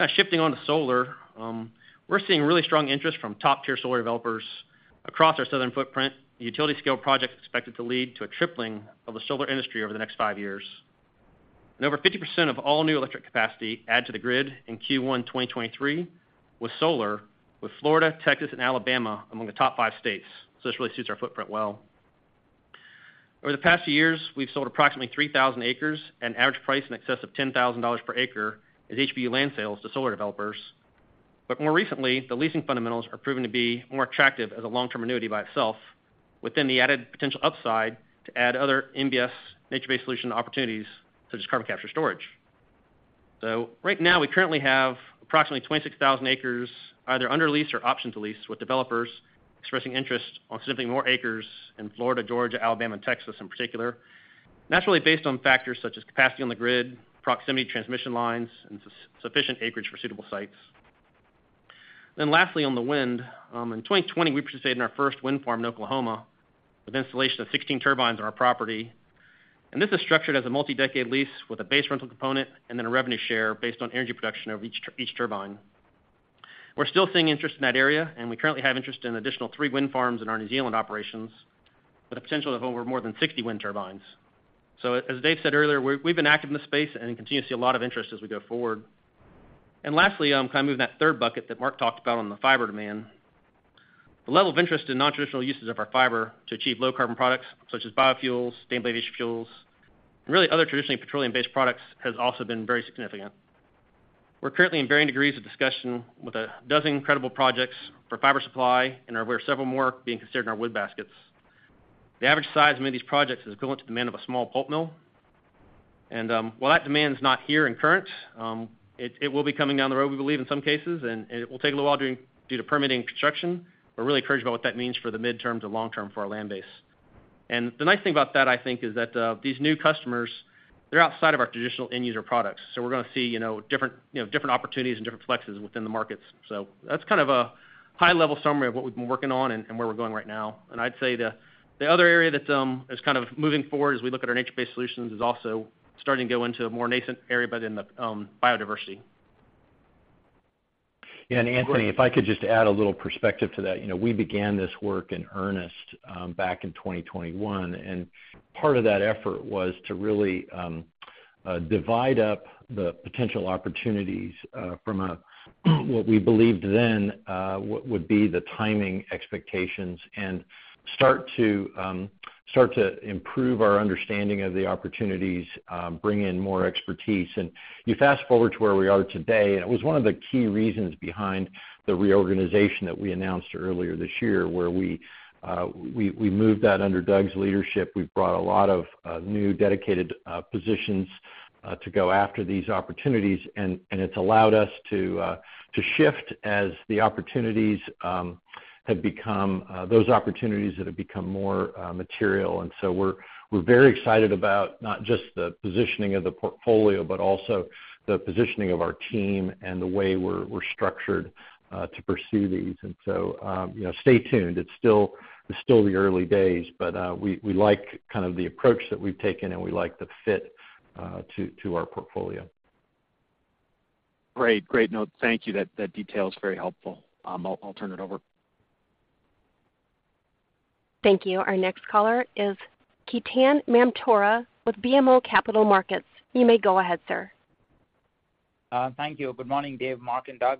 Now, shifting on to solar. We're seeing really strong interest from top-tier solar developers across our southern footprint. The utility scale project is expected to lead to a tripling of the solar industry over the next five years. Over 50% of all new electric capacity add to the grid in Q1 2023, with solar, with Florida, Texas, and Alabama among the top five states. This really suits our footprint well. Over the past years, we've sold approximately 3,000 acres at an average price in excess of $10,000 per acre as HBU land sales to solar developers. More recently, the leasing fundamentals are proving to be more attractive as a long-term annuity by itself, within the added potential upside to add other NBS, nature-based solution opportunities, such as carbon capture storage. Right now, we currently have approximately 26,000 acres, either under lease or option to lease, with developers expressing interest on simply more acres in Florida, Georgia, Alabama, and Texas in particular. Naturally, based on factors such as capacity on the grid, proximity to transmission lines, and sufficient acreage for suitable sites. Lastly, on the wind. In 2020, we participated in our first wind farm in Oklahoma, with installation of 16 turbines on our property. This is structured as a multi-decade lease with a base rental component and then a revenue share based on energy production of each turbine. We're still seeing interest in that area, and we currently have interest in an additional 3 wind farms in our New Zealand operations, with a potential of over more than 60 wind turbines. As Dave said earlier, we've been active in this space and continue to see a lot of interest as we go forward. Lastly, kind of moving that third bucket that Mark talked about on the fiber demand. The level of interest in nontraditional uses of our fiber to achieve low carbon products such as biofuels, sustainable aviation fuels, and really other traditionally petroleum-based products, has also been very significant. We're currently in varying degrees of discussion with 12 incredible projects for fiber supply, and are aware of several more being considered in our wood baskets. The average size of many of these projects is equivalent to the demand of a small pulp mill. While that demand is not here and current, it will be coming down the road, we believe, in some cases, and it will take a little while due to permitting and construction. We're really encouraged about what that means for the midterm to long term for our land base. The nice thing about that, I think, is that these new customers, they're outside of our traditional end user products, so we're gonna see, you know, different, you know, different opportunities and different flexes within the markets. That's kind of a high-level summary of what we've been working on and, and where we're going right now. I'd say the, the other area that is kind of moving forward as we look at our nature-based solutions, is also starting to go into a more nascent area, but in the biodiversity. Yeah, Anthony, if I could just add a little perspective to that. You know, we began this work in earnest, back in 2021, and part of that effort was to really divide up the potential opportunities from a, what we believed then, what would be the timing expectations and start to improve our understanding of the opportunities, bring in more expertise. You fast-forward to where we are today, and it was one of the key reasons behind the reorganization that we announced earlier this year, where we moved that under Doug's leadership. We've brought a lot of new, dedicated positions to go after these opportunities, and it's allowed us to shift as the opportunities have become. Those opportunities that have become more material. We're, we're very excited about not just the positioning of the portfolio, but also the positioning of our team and the way we're, we're structured to pursue these. You know, stay tuned. It's still, it's still the early days, but, we, we like kind of the approach that we've taken, and we like the fit to, to our portfolio. Great. Great note. Thank you. That, that detail is very helpful. I'll, I'll turn it over. Thank you. Our next caller is Ketan Mamtora with BMO Capital Markets. You may go ahead, sir. Thank you. Good morning, Dave, Mark, and Doug.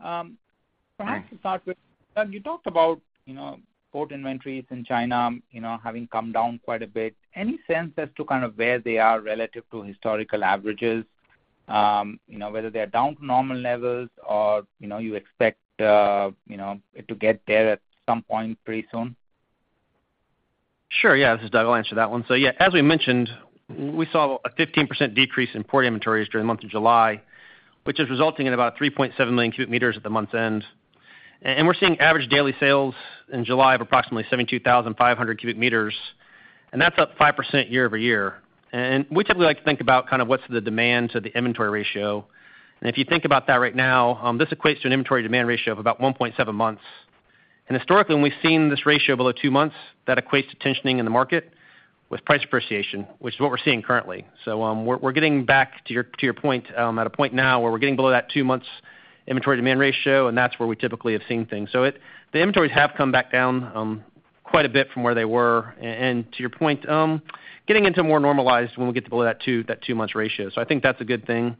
Perhaps to start with, Doug, you talked about, you know, port inventories in China, you know, having come down quite a bit. Any sense as to kind of where they are relative to historical averages? You know, whether they are down to normal levels or, you know, you expect, you know, it to get there at some point pretty soon? Sure. Yeah, this is Doug. I'll answer that one. Yeah, as we mentioned, we saw a 15% decrease in port inventories during the month of July, which is resulting in about 3.7 million cubic meters at the month's end. We're seeing average daily sales in July of approximately 72,500 cubic meters, and that's up 5% year-over-year. We typically like to think about kind of what's the demand to the inventory ratio. If you think about that right now, this equates to an inventory-to-demand ratio of about 1.7 months. Historically, when we've seen this ratio below two months, that equates to tensioning in the market with price appreciation, which is what we're seeing currently. We're getting back to your, to your point, at a point now where we're getting below that two months inventory-to-demand ratio, and that's where we typically have seen things. The inventories have come back down quite a bit from where they were. To your point, getting into more normalized when we get to below that two months ratio. I think that's a good thing.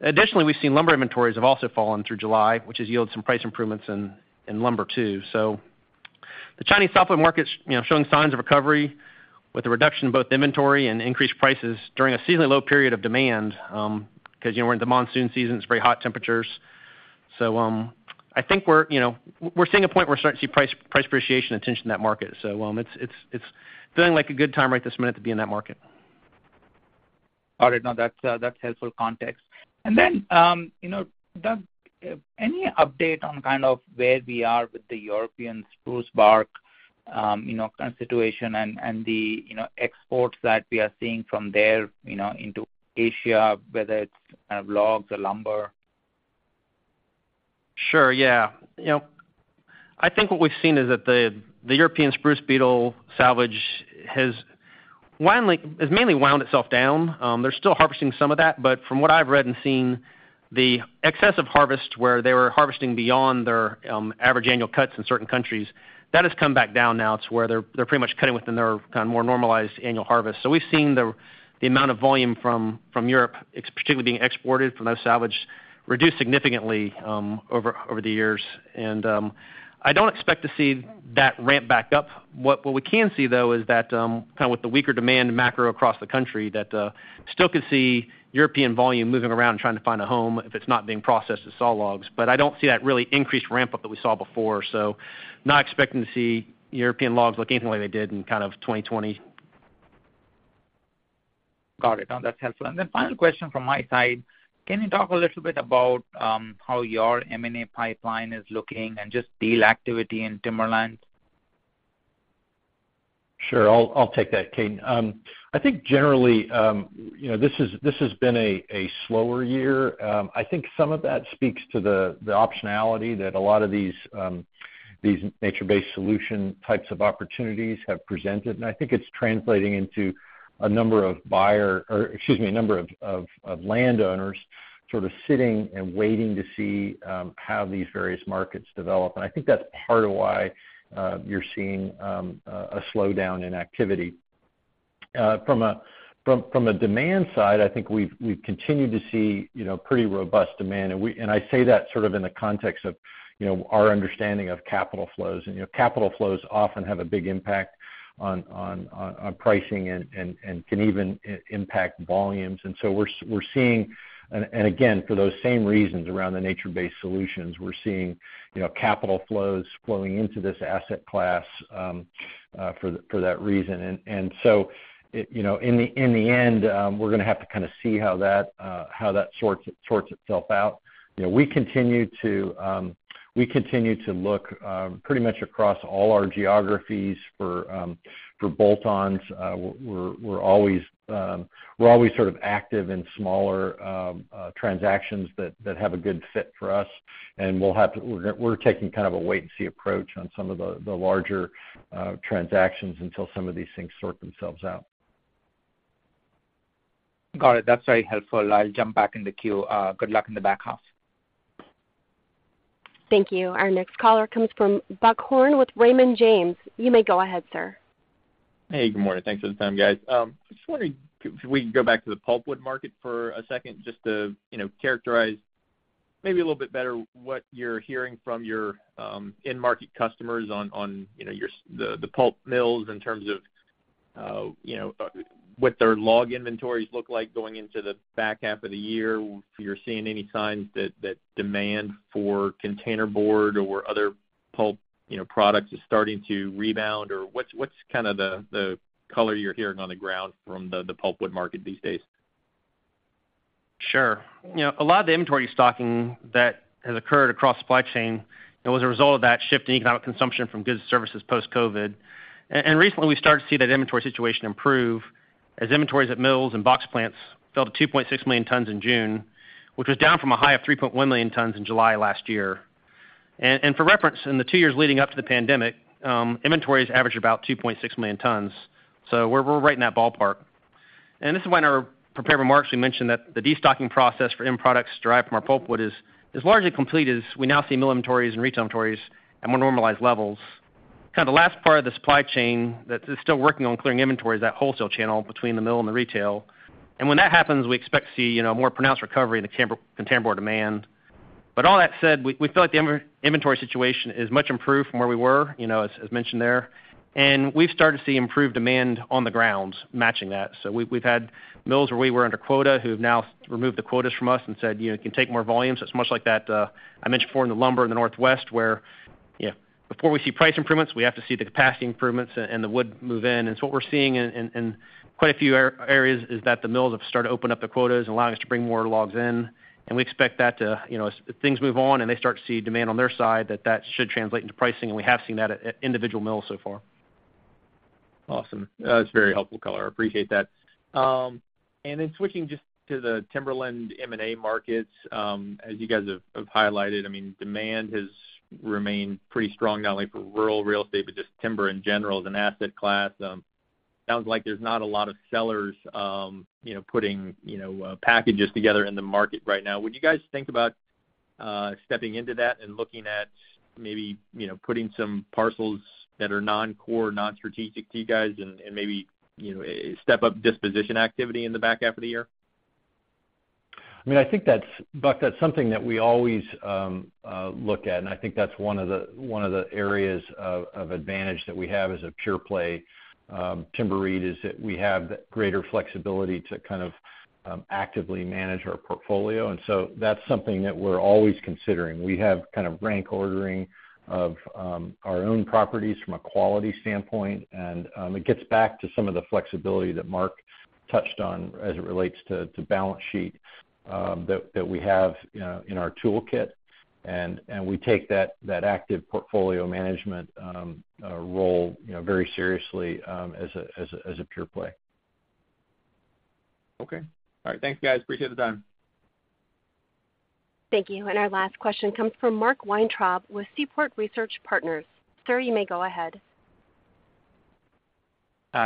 Additionally, we've seen lumber inventories have also fallen through July, which has yielded some price improvements in, in lumber, too. The Chinese softwood market's, you know, showing signs of recovery with a reduction in both inventory and increased prices during a seasonally low period of demand, 'cause, you know, we're in the monsoon season, it's very hot temperatures. I think we're, you know, we're seeing a point where we're starting to see price, price appreciation and attention in that market. It's, it's, it's feeling like a good time, right this minute, to be in that market. All right. No, that's, that's helpful context. You know, Doug, any update on kind of where we are with the European spruce bark, you know, kind of situation and, and the, you know, exports that we are seeing from there, you know, into Asia, whether it's, logs or lumber? Sure, yeah. You know, I think what we've seen is that the, the European spruce beetle salvage has mainly wound itself down. They're still harvesting some of that, but from what I've read and seen, the excessive harvest, where they were harvesting beyond their average annual cuts in certain countries, that has come back down now to where they're, they're pretty much cutting within their kind of more normalized annual harvest. We've seen the, the amount of volume from, from Europe, particularly being exported from those salvage, reduce significantly over the years. I don't expect to see that ramp back up. What, what we can see, though, is that, kind of with the weaker demand and macro across the country, that, still could see European volume moving around, trying to find a home if it's not being processed as saw logs. I don't see that really increased ramp-up that we saw before, so not expecting to see European logs look anything like they did in kind of 2020. Got it. No, that's helpful. Final question from my side. Can you talk a little bit about how your M&A pipeline is looking and just deal activity in Timberland? Sure. I'll, I'll take that, Kate. I think generally, you know, this has been a, a slower year. I think some of that speaks to the, the optionality that a lot of these, these nature-based solution types of opportunities have presented. I think it's translating into a number of buyer, or excuse me, a number of, of, of landowners sort of sitting and waiting to see, how these various markets develop. I think that's part of why, you're seeing, a, a slowdown in activity. From a demand side, I think we've, we've continued to see, you know, pretty robust demand. I say that sort of in the context of, you know, our understanding of capital flows. You know, capital flows often have a big impact on pricing and can even impact volumes. Again, for those same reasons around the nature-based solutions, we're seeing, you know, capital flows flowing into this asset class for that reason. It, you know, in the end, we're gonna have to kind of see how that sorts itself out. You know, we continue to, we continue to look pretty much across all our geographies for bolt-ons. We're, we're always, we're always sort of active in smaller transactions that, that have a good fit for us, and we're, we're taking kind of a wait-and-see approach on some of the larger transactions until some of these things sort themselves out. Got it. That's very helpful. I'll jump back in the queue. Good luck in the back half. Thank you. Our next caller comes from Buck Horne with Raymond James. You may go ahead, sir. Hey, good morning. Thanks for the time, guys. I just wondering if we can go back to the pulpwood market for a second, just to, you know, characterize maybe a little bit better what you're hearing from your in-market customers on, on, you know, the pulp mills in terms of, you know, what their log inventories look like going into the back half of the year. If you're seeing any signs that, that demand for container board or other pulp, you know, products is starting to rebound, or what's, what's kind of the, the color you're hearing on the ground from the pulpwood market these days? Sure. You know, a lot of the inventory stocking that has occurred across the supply chain, it was a result of that shift in economic consumption from goods to services post-COVID. Recently, we started to see that inventory situation improve as inventories at mills and box plants fell to 2.6 million tons in June, which was down from a high of 3.1 million tons in July last year. For reference, in the two years leading up to the pandemic, inventories averaged about 2.6 million tons, so we're, we're right in that ballpark. This is why in our prepared remarks, we mentioned that the destocking process for end products derived from our pulpwood is, is largely complete, as we now see mill inventories and retail inventories at more normalized levels. Kind of the last part of the supply chain that is still working on clearing inventory is that wholesale channel between the mill and the retail. When that happens, we expect to see, you know, a more pronounced recovery in container board demand. All that said, we, we feel like the inventory situation is much improved from where we were, you know, as, as mentioned there. We've started to see improved demand on the ground matching that. We've, we've had mills where we were under quota, who have now removed the quotas from us and said, "You know, you can take more volumes." It's much like that I mentioned before in the lumber in the Northwest, where, you know, before we see price improvements, we have to see the capacity improvements and, and the wood move in. What we're seeing in quite a few areas is that the mills have started to open up the quotas and allowing us to bring more logs in, and we expect that to, you know, as things move on and they start to see demand on their side, that that should translate into pricing, and we have seen that at individual mills so far. Awesome. That's a very helpful color. I appreciate that. And then switching just to the Timberland M&A markets, as you guys have, have highlighted, I mean demand has remained pretty strong, not only for rural real estate, but just timber in general as an asset class. Sounds like there's not a lot of sellers, you know, putting, you know, packages together in the market right now. Would you guys think about stepping into that and looking at maybe, you know, putting some parcels that are non-core, non-strategic to you guys and, and maybe, you know, step up disposition activity in the back half of the year? I mean, I think that's, Buck, that's something that we always look at, and I think that's one of the areas of advantage that we have as a pure play timber REIT, is that we have greater flexibility to kind of actively manage our portfolio. So that's something that we're always considering. We have kind of rank ordering of our own properties from a quality standpoint, and it gets back to some of the flexibility that Mark touched on as it relates to balance sheet that we have, you know, in our toolkit. We take that, that active portfolio management role, you know, very seriously, as a, as a, as a pure play. Okay. All right. Thanks, guys. Appreciate the time. Thank you. Our last question comes from Mark Weintraub with Seaport Research Partners. Sir, you may go ahead.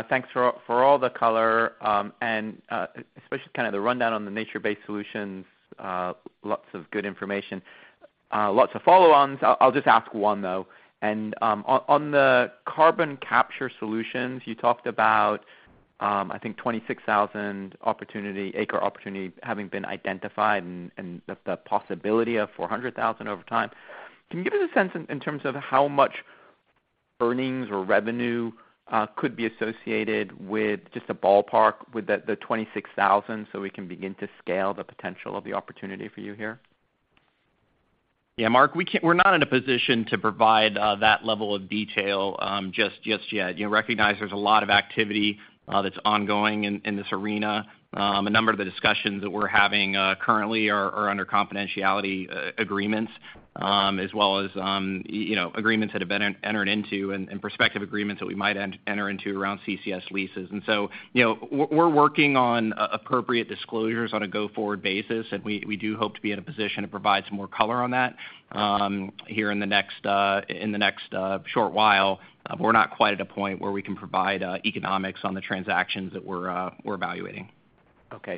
Thanks for all, for all the color, and especially kind of the rundown on the nature-based solutions. Lots of good information. Lots of follow-ons. I'll, I'll just ask one, though. On, on the carbon capture solutions, you talked about, I think 26,000 opportunity-acre opportunity having been identified and, and the, the possibility of 400,000 over time. Can you give us a sense in, in terms of how much earnings or revenue, could be associated with just a ballpark, with the, the 26,000, so we can begin to scale the potential of the opportunity for you here? Yeah, Mark, we're not in a position to provide that level of detail just yet. You know, recognize there's a lot of activity that's ongoing in, in this arena. A number of the discussions that we're having currently are under confidentiality agreements, as well as, you know, agreements that have been entered into and, and prospective agreements that we might enter into around CCS leases. You know, we're, we're working on appropriate disclosures on a go-forward basis, and we, we do hope to be in a position to provide some more color on that here in the next in the next short while. We're not quite at a point where we can provide economics on the transactions that we're, we're evaluating. Okay.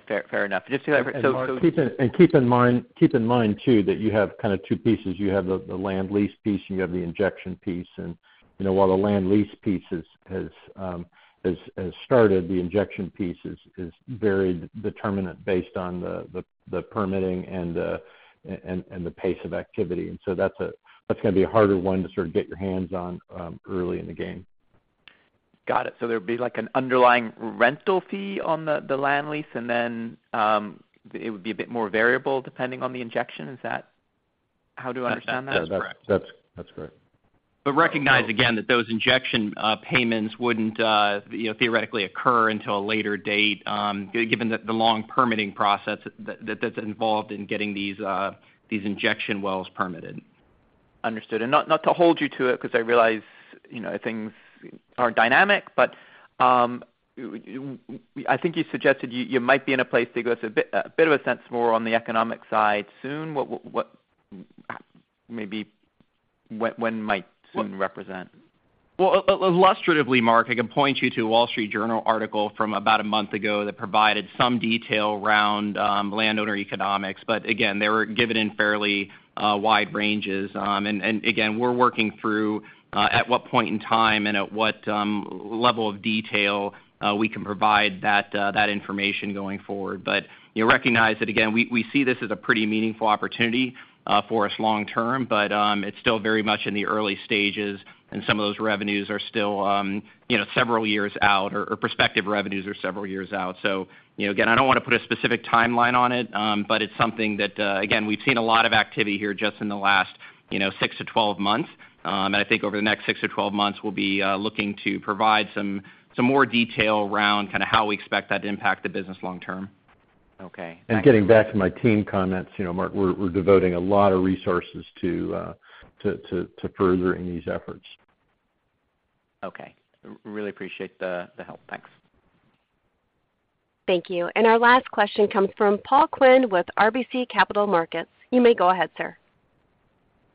Fair, fair enough. Just so I... Mark, keep in, and keep in mind, keep in mind, too, that you have kind of two pieces. You have the, the land lease piece, and you have the injection piece. You know, while the land lease piece has started, the injection piece is very determinant based on the permitting and the pace of activity. That's gonna be a harder one to sort of get your hands on, early in the game. Got it. There'd be, like, an underlying rental fee on the, the land lease, and then, it would be a bit more variable depending on the injection. Is that how to understand that? That's correct. That's, that's correct. Recognize again, that those injection payments wouldn't, you know, theoretically occur until a later date, given that the long permitting process that, that, that's involved in getting these injection wells permitted. Understood. Not, not to hold you to it, because I realize, you know, things are dynamic, but, I think you suggested you, you might be in a place to give us a bit, a bit of a sense more on the economic side soon. What, what, what... Maybe when might soon represent? Well, illustratively, Mark, I can point you to a Wall Street Journal article from about a month ago that provided some detail around landowner economics. Again, they were given in fairly wide ranges. And again, we're working through at what point in time and at what level of detail we can provide that information going forward. You'll recognize that again, we, we see this as a pretty meaningful opportunity for us long term, but it's still very much in the early stages, and some of those revenues are still, you know, several years out, or perspective revenues are several years out. You know, again, I don't want to put a specific timeline on it, but it's something that, again, we've seen a lot of activity here just in the last, you know, 6-12 months. I think over the next 6-12 months, we'll be looking to provide some, some more detail around kind of how we expect that to impact the business long term. Okay. Getting back to my team comments, you know, Mark, we're devoting a lot of resources to furthering these efforts. Okay. Really appreciate the, the help. Thanks. Thank you. Our last question comes from Paul Quinn with RBC Capital Markets. You may go ahead, sir.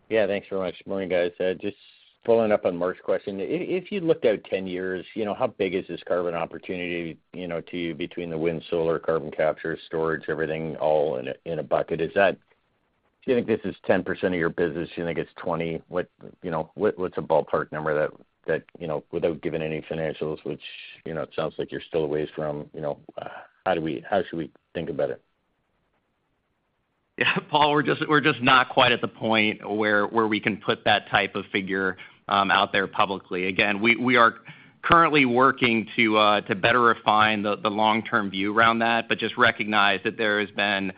Yeah, thanks very much. Morning, guys. Just following up on Mark's question. If, if you looked out 10 years, you know, how big is this carbon opportunity, you know, to you between the wind, solar, carbon capture, storage, everything, all in a, in a bucket? Is that? Do you think this is 10% of your business? Do you think it's 20%? What, you know, what, what's a ballpark number that, that, you know, without giving any financials, which, you know, it sounds like you're still a ways from, you know, how should we think about it? Yeah, Paul, we're just, we're just not quite at the point where, where we can put that type of figure out there publicly. Again, we, we are currently working to better refine the long-term view around that, but just recognize that there has been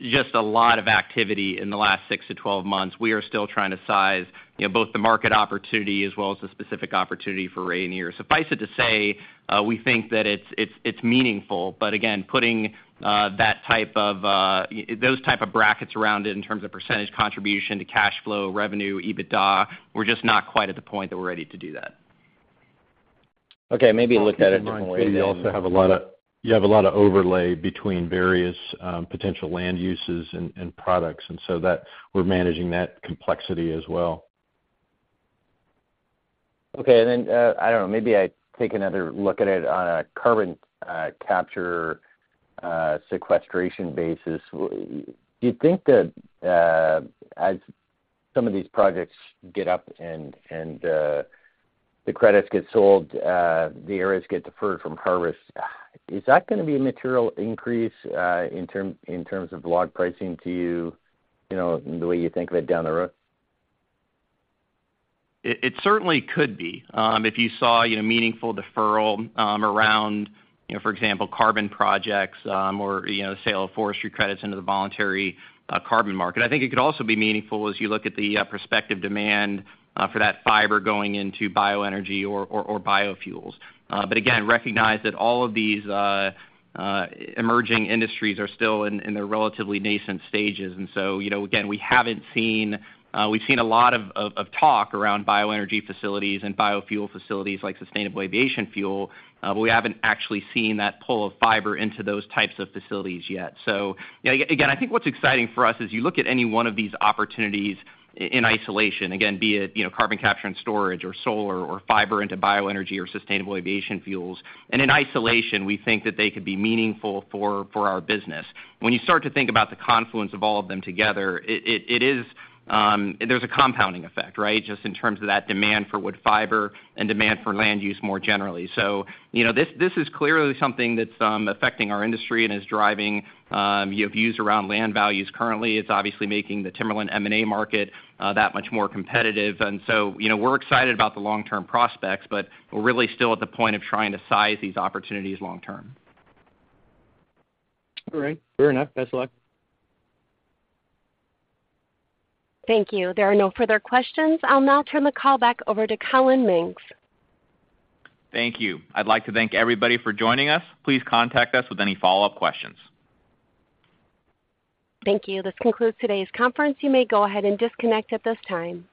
just a lot of activity in the last 6-12 months. We are still trying to size, you know, both the market opportunity as well as the specific opportunity for Rayonier. Suffice it to say, we think that it's, it's, it's meaningful, but again, putting that type of those type of brackets around it in terms of percentage contribution to cash flow, revenue, EBITDA, we're just not quite at the point that we're ready to do that. Okay, maybe look at it a different way then. Keep in mind, you have a lot of overlay between various potential land uses and, and products, and so that, we're managing that complexity as well. Okay, then, I don't know, maybe I take another look at it on a carbon capture sequestration basis. Do you think that, as some of these projects get up and the credits get sold, the areas get deferred from harvest, is that gonna be a material increase in terms of log pricing to you, you know, the way you think of it down the road? It, it certainly could be, if you saw, you know, meaningful deferral, around, you know, for example, carbon projects, or, you know, sale of forestry credits into the voluntary carbon market. I think it could also be meaningful as you look at the prospective demand for that fiber going into bioenergy or, or, or biofuels. Again, recognize that all of these emerging industries are still in, in their relatively nascent stages. You know, again, we haven't seen-- we've seen a lot of, of, of talk around bioenergy facilities and biofuel facilities like sustainable aviation fuel, but we haven't actually seen that pull of fiber into those types of facilities yet. You know, again, I think what's exciting for us is you look at any one of these opportunities in isolation, again, be it, you know, carbon capture and storage, or solar, or fiber into bioenergy, or sustainable aviation fuels. In isolation, we think that they could be meaningful for, for our business. When you start to think about the confluence of all of them together, it, it, it is. There's a compounding effect, right? Just in terms of that demand for wood fiber and demand for land use more generally. You know, this, this is clearly something that's affecting our industry and is driving, you know, views around land values currently. It's obviously making the timberland M&A market, that much more competitive. You know, we're excited about the long-term prospects, but we're really still at the point of trying to size these opportunities long term. All right. Fair enough. Best of luck. Thank you. There are no further questions. I'll now turn the call back over to Collin Mings. Thank you. I'd like to thank everybody for joining us. Please contact us with any follow-up questions. Thank you. This concludes today's conference. You may go ahead and disconnect at this time.